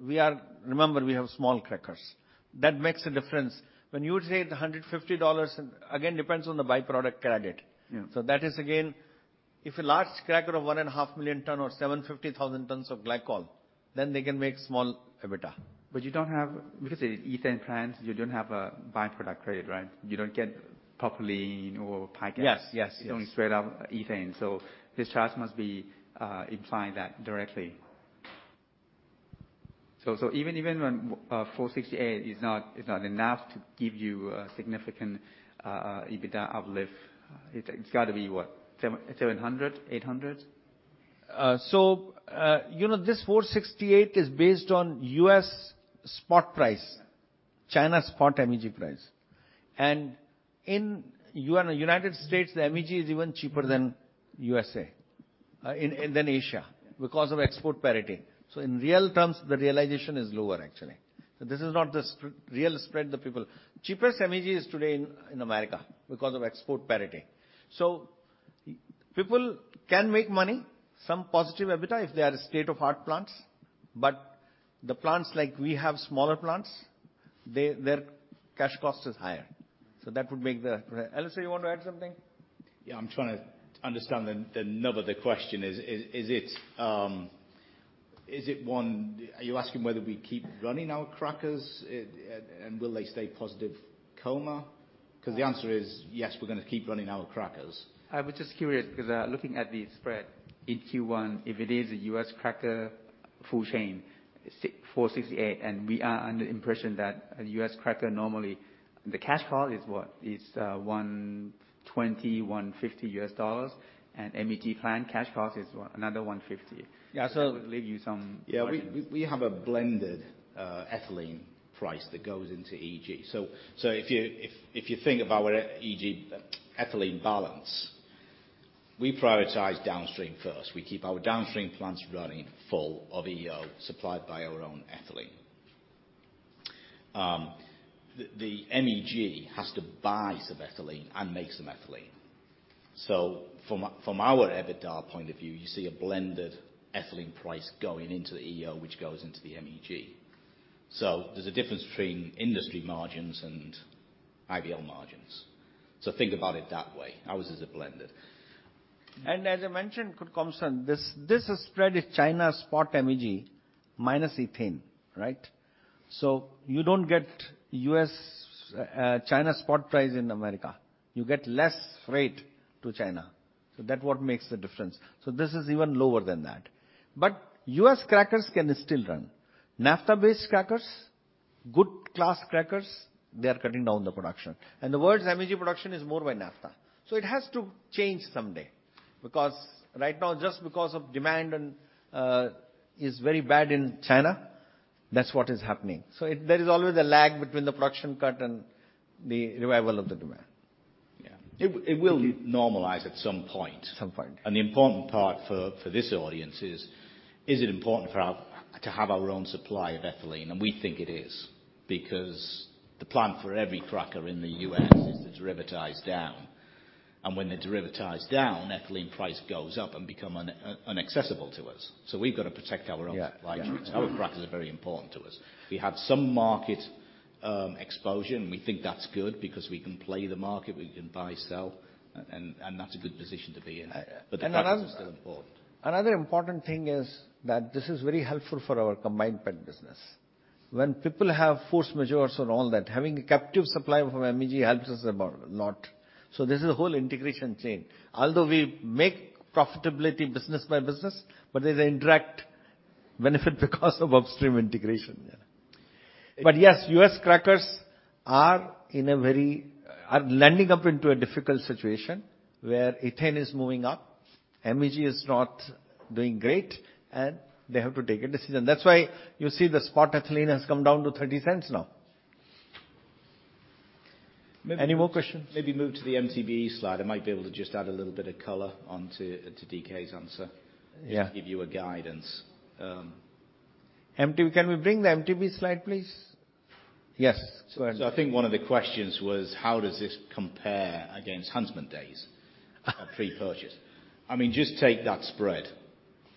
S2: Remember, we have small crackers. That makes a difference. When you say the $150, and again, depends on the byproduct credit.
S7: Yeah.
S2: That is again, if a large cracker of 1.5 million tons or 750,000 tons of glycol, then they can make small EBITDA.
S7: Ethane plants, you don't have a by-product credit, right? You don't get propylene or pygas.
S2: Yes, yes.
S7: It's only straight up ethane. This chart must be implying that directly. Even when 468 is not enough to give you a significant EBITDA uplift. It's gotta be what? $700, $800?
S2: You know, this 468 is based on U.S. spot price. China spot MEG price. In United States, the MEG is even cheaper than in Asia because of export parity. In real terms, the realization is lower actually. This is not the spread, real spread the people. Cheapest MEG is today in America because of export parity. People can make money, some positive EBITDA if they are state-of-the-art plants. But the plants like we have, smaller plants, their cash cost is higher. That would make the Alastair, you want to add something?
S3: Yeah. I'm trying to understand the nub of the question is. Are you asking whether we keep running our crackers and will they stay positive COMA? 'Cause the answer is yes, we're gonna keep running our crackers.
S7: I was just curious because, looking at the spread in Q1, if it is a US cracker full chain, $64-$68, and we are under impression that a U.S. cracker normally, the cash cost is what? It's $120-$150. MEG plant cash cost is what? Another $150.
S3: Yeah.
S7: That would leave you some margins.
S3: Yeah. We have a blended ethylene price that goes into EG. If you think about what EG ethylene balance, we prioritize downstream first. We keep our downstream plants running full of EO supplied by our own ethylene. The MEG has to buy some ethylene and make some ethylene. From our EBITDA point of view, you see a blended ethylene price going into the EO, which goes into the MEG. There's a difference between industry margins and IVL margins. Think about it that way. Ours is a blended.
S2: As I mentioned, Komsun, this spread is China's spot MEG minus ethane, right? You don't get U.S. China spot price in America. You get less freight to China. That's what makes the difference. This is even lower than that. U.S. crackers can still run. Naphtha-based crackers, good class crackers, they are cutting down the production. The world's ethylene production is more by naphtha. It has to change someday, because right now just because of demand and is very bad in China, that's what is happening. There is always a lag between the production cut and the revival of the demand.
S3: Yeah. It will normalize at some point.
S2: Some point.
S3: The important part for this audience is it important for us to have our own supply of ethylene? We think it is, because the plan for every cracker in the U.S. is to derivatize down. When they derivatize down, ethylene price goes up and become inaccessible to us. We've got to protect our own supply chains.
S2: Yeah. Yeah.
S3: Our crackers are very important to us. We have some market exposure, and we think that's good because we can play the market, we can buy, sell, and that's a good position to be in.
S2: I-I...
S3: The crackers are still important.
S2: Another important thing is that this is very helpful for our Combined PET business. When people have force majeures and all that, having a captive supply from MEG helps us a lot. This is a whole integration chain. Although we make profitability business by business, but there's an indirect benefit because of upstream integration. Yeah. Yes, U.S. crackers are ending up in a difficult situation where ethane is moving up, MEG is not doing great, and they have to take a decision. That's why you see the spot ethylene has come down to. [inaudible]
S1: Any more questions?
S3: Maybe move to the MTBE slide. I might be able to just add a little bit of color onto to DK's answer.
S2: Yeah.
S3: To give you a guidance.
S2: Can we bring the MTBE slide, please? Yes, go ahead.
S3: I think one of the questions was how does this compare against Huntsman days? Pre-purchase. I mean, just take that spread.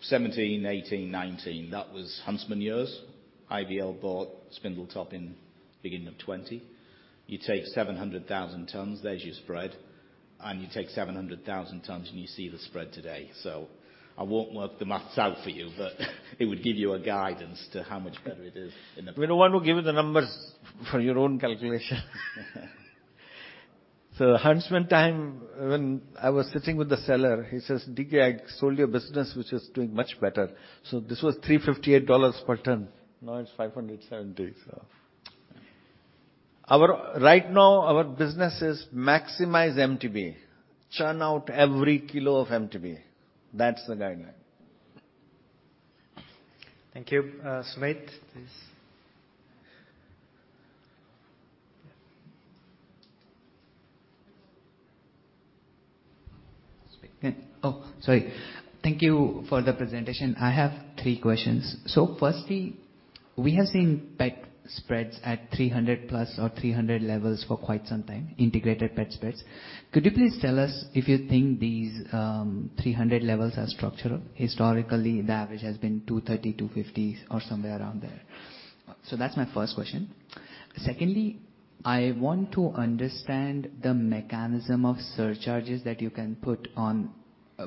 S3: 2017, 2018, 2019, that was Huntsman years. IVL bought Spindletop in beginning of 2020. You take 700,000 tons, there's your spread, and you take 700,000 tons and you see the spread today. I won't work the math out for you, but it would give you a guidance to how much better it is in the-
S2: We don't want to give you the numbers for your own calculation. Huntsman time, when I was sitting with the seller, he says, "D.K., I sold you a business which is doing much better." This was $358 per ton. Now it's $570, so. Right now our business is maximize MTBE. Churn out every kilo of MTBE. That's the guideline.
S1: Thank you. Sumedh, please.
S8: Oh, sorry. Thank you for the presentation. I have three questions. Firstly, we have seen PET spreads at 300+ or 300 levels for quite some time, integrated PET spreads. Could you please tell us if you think these 300 levels are structural? Historically, the average has been 230, 250 or somewhere around there. That's my first question. Secondly, I want to understand the mechanism of surcharges that you can put on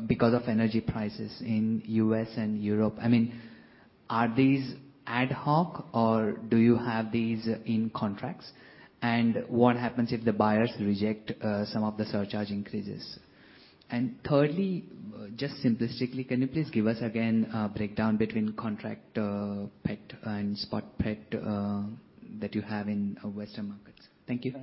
S8: because of energy prices in U.S. and Europe. I mean, are these ad hoc or do you have these in contracts? And what happens if the buyers reject some of the surcharge increases? Thirdly, just simplistically, can you please give us again a breakdown between contract PET and spot PET that you have in Western markets? Thank you.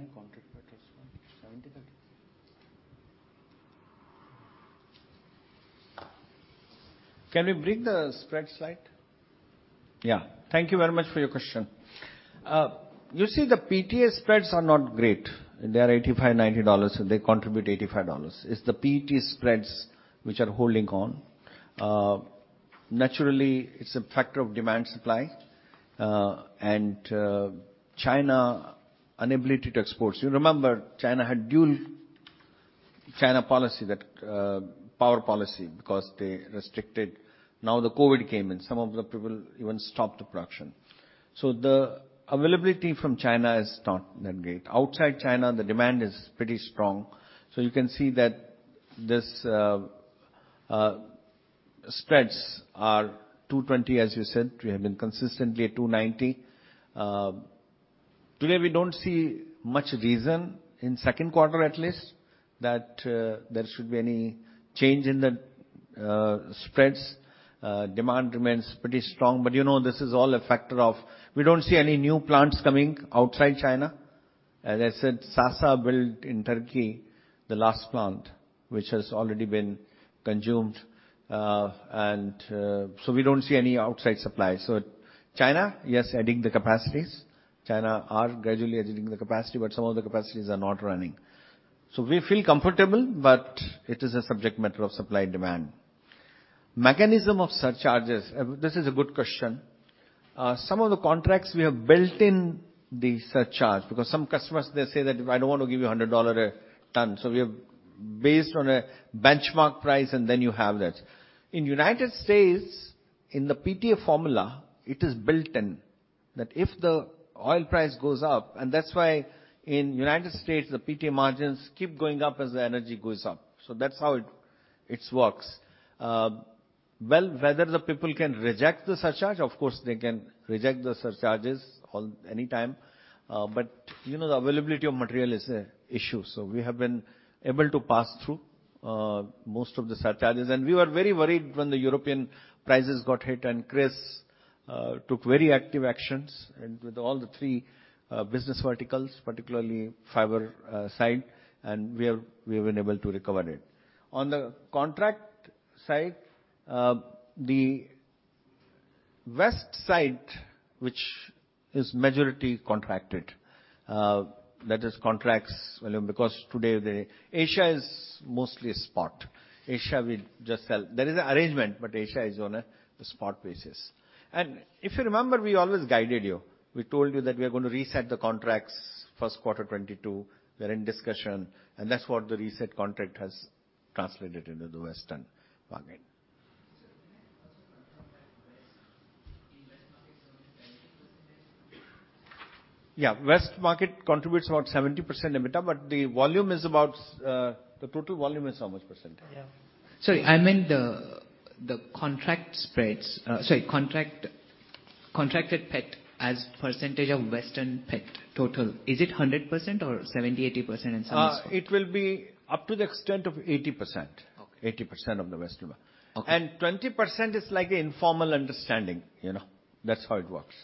S2: Can we bring the spread slide? Yeah. Thank you very much for your question. You see the PTA spreads are not great. They are $85-$90, so they contribute $85. It's the PET spreads which are holding on. Naturally, it's a factor of demand, supply, and China inability to export. Remember, China had dual control policy that power policy because they restricted. Now the COVID came, and some of the people even stopped the production. The availability from China is not that great. Outside China, the demand is pretty strong. You can see that this spreads are $220, as you said. We have been consistently at $290. Today we don't see much reason, in second quarter at least, that there should be any change in the spreads. Demand remains pretty strong. you know this is all a factor of we don't see any new plants coming outside China. As I said, Sasol built in Turkey, the last plant, which has already been consumed. we don't see any outside supply. China, yes, adding the capacities. China are gradually adding the capacity, but some of the capacities are not running. we feel comfortable, but it is a subject matter of supply-demand. Mechanism of surcharges, this is a good question. some of the contracts we have built in the surcharge because some customers they say that, "I don't want to give you $100 a ton." we have based on a benchmark price, and then you have that. In United States, in the PTA formula, it is built in that if the oil price goes up. That's why in United States, the PTA margins keep going up as the energy goes up. That's how it works. Whether the people can reject the surcharge, of course, they can reject the surcharges at any time. You know, the availability of material is an issue, so we have been able to pass through most of the surcharges. We were very worried when the European prices got hit, and Chris took very active actions and with all the three business verticals, particularly fiber side, and we have been able to recover it. On the contract side, the west side, which is majority contracted, that is contracts volume, because today Asia is mostly spot. Asia will just sell. There is an arrangement, but Asia is on a spot basis. If you remember, we always guided you. We told you that we are gonna reset the contracts first quarter 2022. We're in discussion, and that's what the reset contract has translated into the Western market.
S8: Sir, can I also confirm that in Western markets only 70%?
S2: Yeah, West market contributes about 70% EBITDA, but the volume is about, the total volume is how much percentage?
S8: Yeah. Sorry. I meant the contract spreads. Sorry, contracted PET as percentage of Western PET total. Is it 100% or 70%, 80% and so on?
S2: It will be up to the extent of 80%.
S8: Okay.
S2: 80% of the Western market.
S8: Okay.
S2: 20% is like an informal understanding, you know? That's how it works.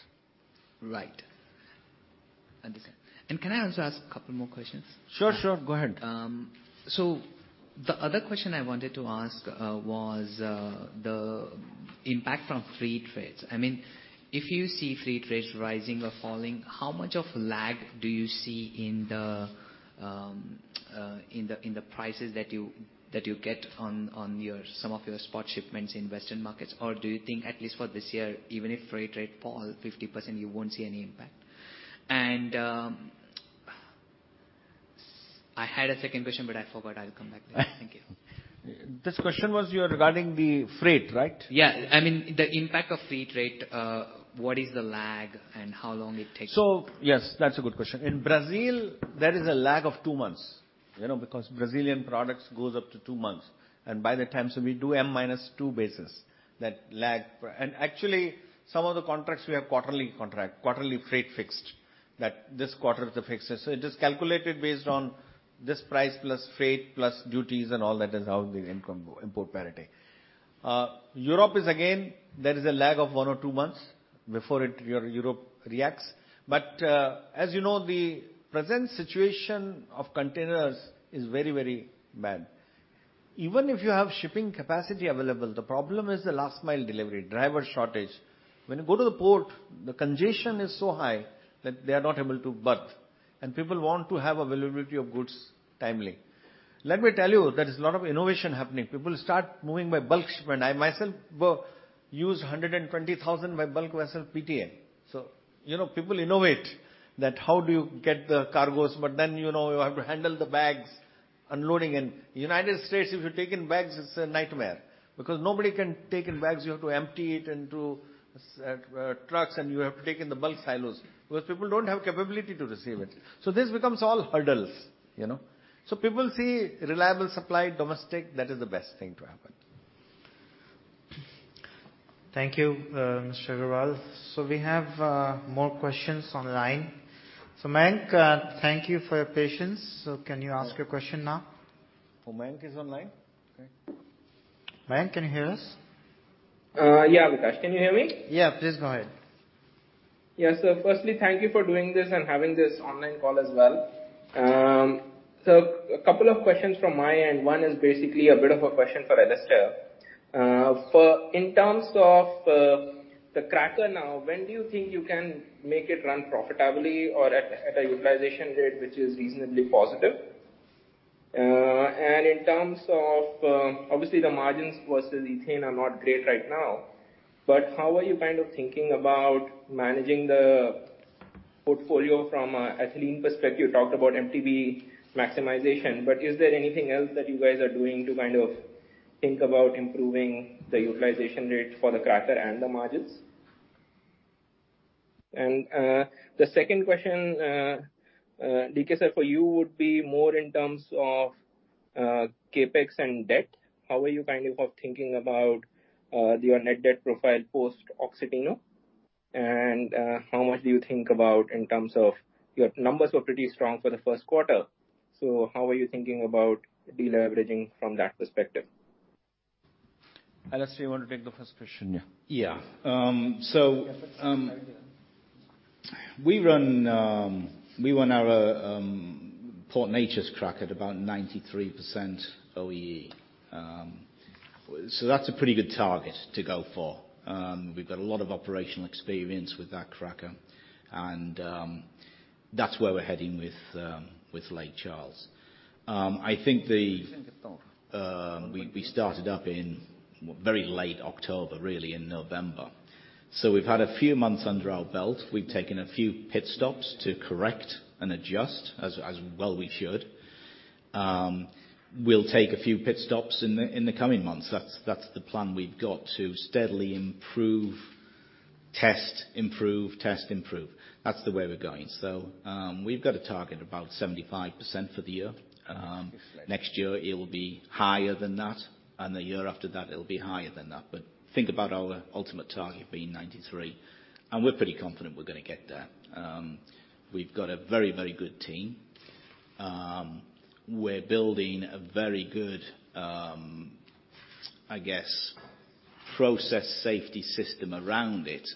S8: Right. Understand. Can I also ask a couple more questions?
S2: Sure, sure. Go ahead.
S8: The other question I wanted to ask was the impact from freight rates. I mean, if you see freight rates rising or falling, how much of lag do you see in the prices that you get on some of your spot shipments in Western markets? Or do you think at least for this year, even if freight rate fall 50%, you won't see any impact? I had a second question, but I forgot. I'll come back to it. Thank you.
S2: This question was yours regarding the freight, right?
S8: Yeah. I mean, the impact of freight rate, what is the lag and how long it takes?
S2: Yes, that's a good question. In Brazil, there is a lag of two months, you know, because Brazilian products goes up to two months. And by the time. We do M minus two basis, that lag. And actually some of the contracts we have quarterly contract, quarterly freight fixed, that this quarter is the fixed. So it is calculated based on this price plus freight plus duties and all that is how the income go import parity. Europe is again, there is a lag of one or two months before it, Europe reacts. But, as you know, the present situation of containers is very, very bad. Even if you have shipping capacity available, the problem is the last mile delivery, driver shortage. When you go to the port, the congestion is so high that they are not able to berth, and people want to have availability of goods timely. Let me tell you, there is a lot of innovation happening. People start moving by bulk shipment. I myself use 120,000 by bulk vessel PTA. You know, people innovate that how do you get the cargos? You know, you have to handle the bags, unloading. In United States, if you take in bags, it's a nightmare because nobody can take in bags. You have to empty it into trucks, and you have to take in the bulk silos, because people don't have capability to receive it. This becomes all hurdles, you know. People see reliable supply, domestic, that is the best thing to happen.
S1: Thank you, Mr. Agarwal. We have more questions online. Mayank, thank you for your patience. Can you ask your question now?
S2: Oh, Mayank is online? Okay.
S1: Mayank, can you hear us?
S9: Yeah, Vikash. Can you hear me?
S1: Yeah, please go ahead.
S9: Yeah. Firstly, thank you for doing this and having this online call as well. A couple of questions from my end. One is basically a bit of a question for Alastair. For in terms of, the cracker now, when do you think you can make it run profitably or at a utilization rate which is reasonably positive? And in terms of, obviously the margins versus ethane are not great right now, but how are you kind of thinking about managing the portfolio from a ethylene perspective? You talked about MTBE maximization, but is there anything else that you guys are doing to kind of think about improving the utilization rate for the cracker and the margins? The second question, D.K., sir, for you would be more in terms of CapEx and debt. How are you kind of thinking about your net debt profile post Oxiteno? How much do you think about in terms of your numbers were pretty strong for the first quarter, so how are you thinking about de-leveraging from that perspective?
S2: Alastair, you wanna take the first question? Yeah.
S3: Yeah. We run our Port Neches cracker at about 93% OEE. That's a pretty good target to go for. We've got a lot of operational experience with that cracker and that's where we're heading with Lake Charles. I think we started up in very late October, really in November. We've had a few months under our belt. We've taken a few pit stops to correct and adjust as well we should. We'll take a few pit stops in the coming months. That's the plan we've got to steadily improve, test, improve, test, improve. That's the way we're going. We've got a target about 75% for the year. Next year it will be higher than that, and the year after that it'll be higher than that. Think about our ultimate target being 93, and we're pretty confident we're gonna get there. We've got a very, very good team. We're building a very good, I guess, process safety system around it,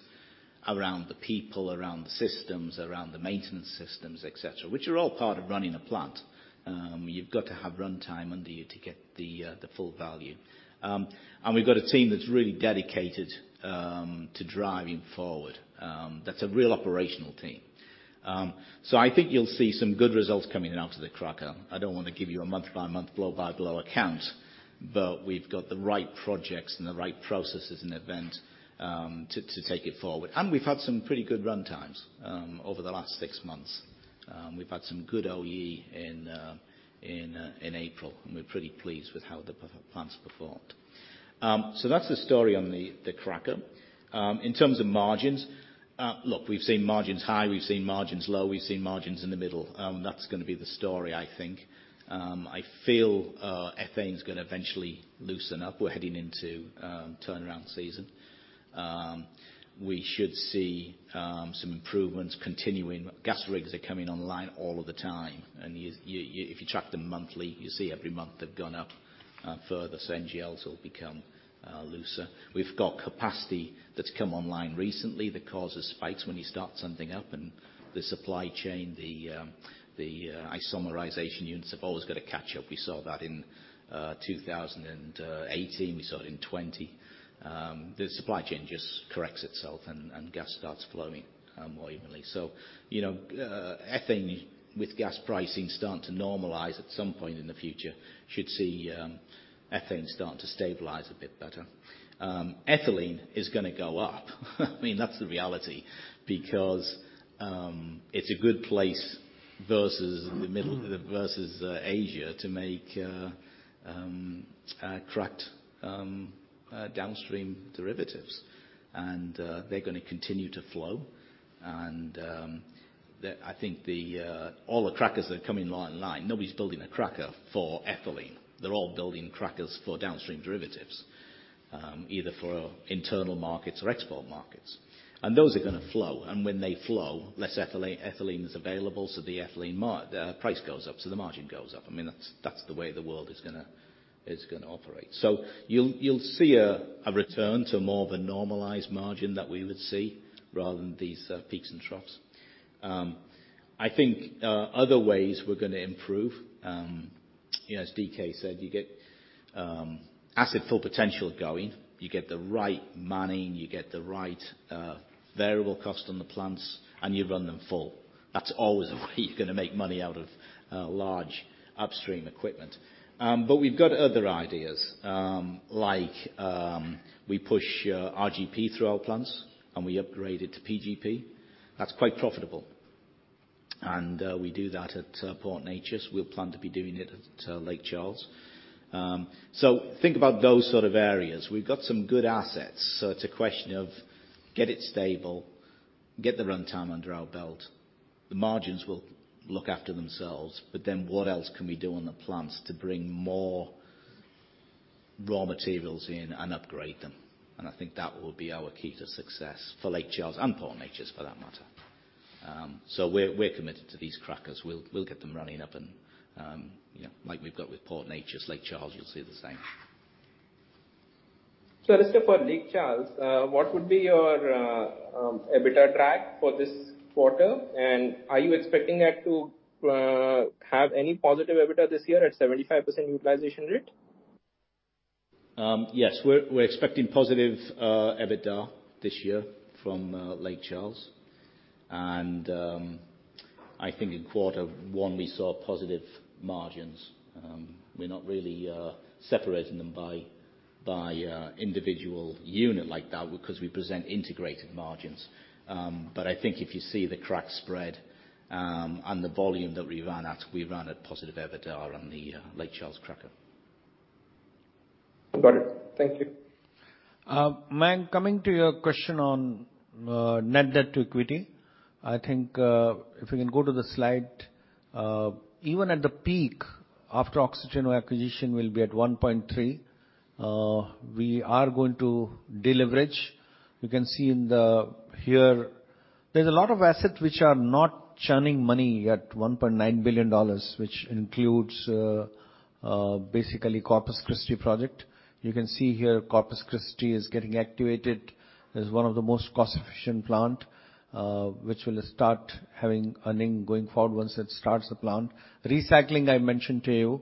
S3: around the people, around the systems, around the maintenance systems, etc, which are all part of running a plant. You've got to have runtime under you to get the full value. We've got a team that's really dedicated to driving forward, that's a real operational team. I think you'll see some good results coming out of the cracker. I don't wanna give you a month-by-month, blow-by-blow account, but we've got the right projects and the right processes in place to take it forward. We've had some pretty good runtimes over the last six months. We've had some good OEE in April, and we're pretty pleased with how the PET plant's performed. So that's the story on the cracker. In terms of margins, look, we've seen margins high, we've seen margins low, we've seen margins in the middle. That's gonna be the story, I think. I feel ethane's gonna eventually loosen up. We're heading into turnaround season. We should see some improvements continuing. Gas rigs are coming online all of the time. If you track them monthly, you see every month they've gone up further, so NGLs will become looser. We've got capacity that's come online recently that causes spikes when you start something up and the supply chain, the isomerization units have always got to catch up. We saw that in 2018. We saw it in 2020. The supply chain just corrects itself and gas starts flowing more evenly. So, you know, ethane with gas pricing starting to normalize at some point in the future should see ethane start to stabilize a bit better. Ethylene is gonna go up. I mean, that's the reality because it's a good place versus Asia to make cracked downstream derivatives. They're gonna continue to flow. I think all the crackers that are coming online, nobody's building a cracker for ethylene. They're all building crackers for downstream derivatives, either for internal markets or export markets. Those are gonna flow. When they flow, less ethylene is available, so the ethylene price goes up, so the margin goes up. I mean, that's the way the world is gonna operate. You'll see a return to more of a normalized margin that we would see rather than these peaks and troughs. I think other ways we're gonna improve, you know, as D.K. said, you get Asset Full Potential going. You get the right manning, you get the right variable cost on the plants, and you run them full. That's always the way you're gonna make money out of large upstream equipment. We've got other ideas, like, we push RGP through our plants and we upgrade it to PGP. That's quite profitable. We do that at Port Neches. We plan to be doing it at Lake Charles. Think about those sort of areas. We've got some good assets, so it's a question of get it stable, get the runtime under our belt. The margins will look after themselves, but then what else can we do on the plants to bring more raw materials in and upgrade them? I think that will be our key to success for Lake Charles and Port Neches, for that matter. We're committed to these crackers. We'll get them running up and yeah. Like we've got with Port Neches, Lake Charles, you'll see the same.
S9: Alastair, for Lake Charles, what would be your EBITDA track for this quarter? Are you expecting that to have any positive EBITDA this year at 75% utilization rate?
S3: Yes. We're expecting positive EBITDA this year from Lake Charles. I think in quarter one we saw positive margins. We're not really separating them by individual unit like that because we present integrated margins. I think if you see the crack spread and the volume that we run at, we run at positive EBITDA on the Lake Charles cracker.
S9: Got it. Thank you.
S2: Manyank, coming to your question on net debt to equity, I think if we can go to the slide. Even at the peak, after Oxiteno acquisition, we'll be at 1.3. We are going to deleverage. You can see here, there's a lot of assets which are not churning money at $1.9 billion, which includes basically Corpus Christi project. You can see here Corpus Christi is getting activated as one of the most cost-efficient plant, which will start having earnings going forward once it starts the plant. Recycling, I mentioned to you,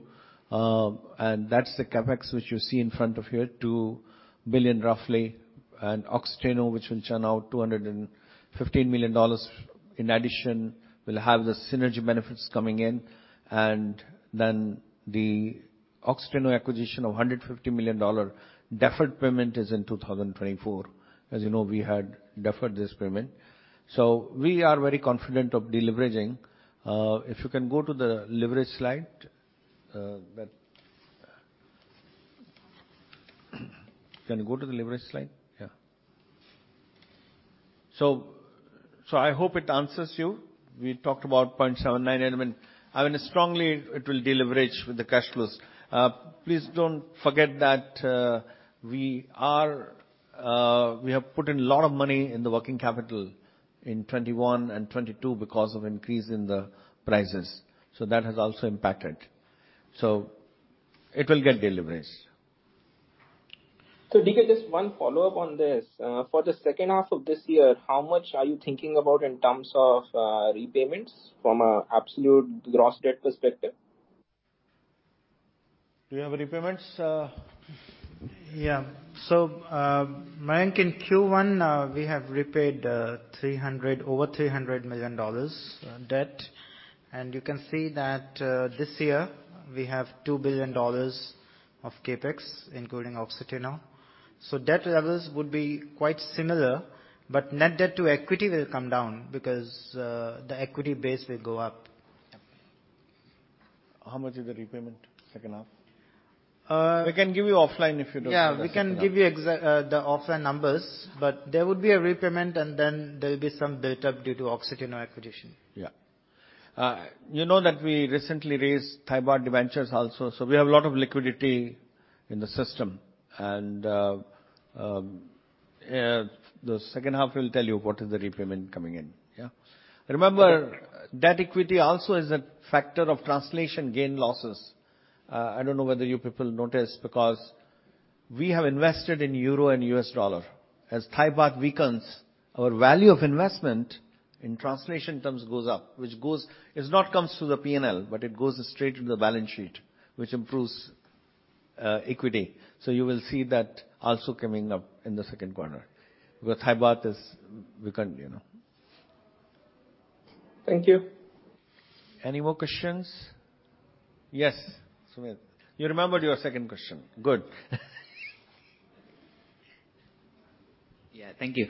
S2: and that's the CapEx which you see in front of you, roughly $2 billion. Oxiteno, which will churn out $215 million in addition, will have the synergy benefits coming in. The Oxiteno acquisition of $150 million deferred payment is in 2024. As you know, we had deferred this payment. We are very confident of deleveraging. If you can go to the leverage slide, can you go to the leverage slide? Yeah. I hope it answers you. We talked about 0.79 leverage. I mean, strongly it will deleverage with the cash flows. Please don't forget that, we have put in a lot of money in the working capital in 2021 and 2022 because of increase in the prices. That has also impacted. It will get deleveraged.
S9: DK, just one follow-up on this. For the second half of this year, how much are you thinking about in terms of repayments from an absolute gross debt perspective?
S2: Do you have repayments?
S1: Yeah. Mayank, in Q1, we have repaid over $300 million debt. You can see that this year we have $2 billion of CapEx, including Oxiteno. Debt levels would be quite similar, but net debt to equity will come down because the equity base will go up.
S2: How much is the repayment second half?
S1: Uh-
S2: We can give you offline if you don't.
S1: Yeah, we can give you the offline numbers, but there would be a repayment and then there'll be some build-up due to Oxiteno acquisition.
S2: Yeah. You know that we recently raised Thai baht debentures also, so we have a lot of liquidity in the system. The second half will tell you what is the repayment coming in. Yeah. Remember, that equity also is a factor of translation gain losses. I don't know whether you people notice because we have invested in euro and U.S. dollar. As Thai baht weakens, our value of investment in translation terms goes up, which goes. It's not comes to the P&L, but it goes straight to the balance sheet, which improves equity. You will see that also coming up in the second quarter because Thai baht is weakened, you know.
S9: Thank you.
S2: Any more questions? Yes, Sumedh. You remembered your second question. Good.
S8: Yeah. Thank you.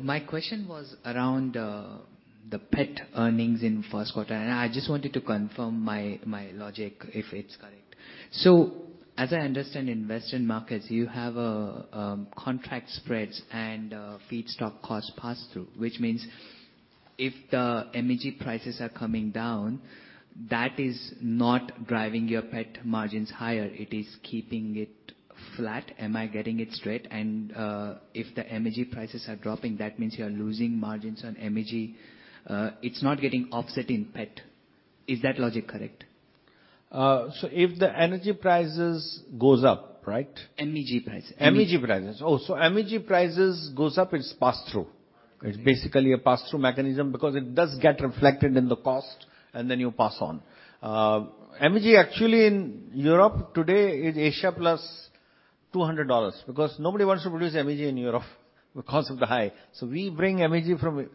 S8: My question was around the PET earnings in first quarter, and I just wanted to confirm my logic if it's correct. As I understand in Western markets, you have a contract spreads and feedstock cost pass-through. Which means if the MEG prices are coming down, that is not driving your PET margins higher. It is keeping it flat. Am I getting it straight? If the MEG prices are dropping, that means you are losing margins on MEG. It's not getting offset in PET. Is that logic correct?
S2: If the energy prices goes up, right?
S8: MEG prices.
S2: MEG prices. Oh, MEG prices go up, it's pass-through. It's basically a pass-through mechanism because it does get reflected in the cost, and then you pass on. MEG actually in Europe today is Asia plus $200 because nobody wants to produce MEG in Europe because of the high. We bring MEG from Asia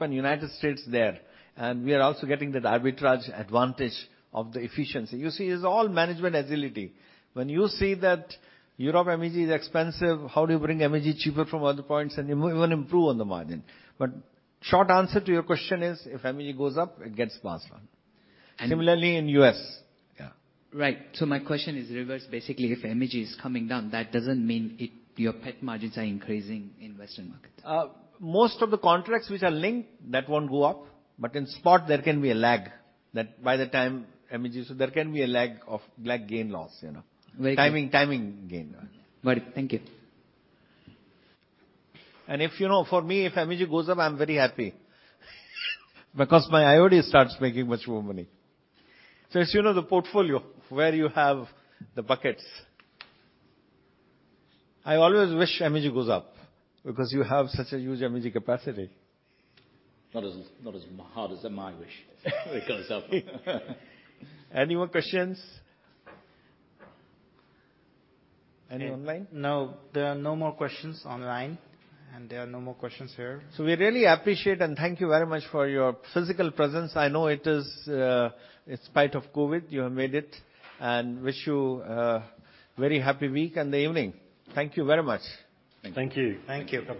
S2: and United States there, and we are also getting that arbitrage advantage of the efficiency. You see, it's all management agility. When you see that Europe MEG is expensive, how do you bring MEG cheaper from other points and even improve on the margin? Short answer to your question is, if MEG goes up, it gets passed on.
S8: And-
S2: Similarly in U.S. Yeah.
S8: Right. My question is reversed. Basically, if MEG is coming down, that doesn't mean it, your PET margins are increasing in Western markets.
S2: Most of the contracts which are linked, that won't go up, but in spot there can be a lag. There can be a lag of like gain loss, you know.
S8: Very clear.
S2: Timing gain.
S8: Got it. Thank you.
S2: If, you know, for me, if MEG goes up, I'm very happy. Because my IOD starts making much more money. It's, you know, the portfolio where you have the buckets. I always wish MEG goes up because you have such a huge MEG capacity.
S3: Not as hard as I wish it goes up.
S2: Any more questions? Any online?
S1: No. There are no more questions online, and there are no more questions here.
S2: We really appreciate, and thank you very much for your physical presence. I know it is, in spite of COVID, you have made it. Wish you a very happy week and evening. Thank you very much.
S3: Thank you.
S1: Thank you. Thank you.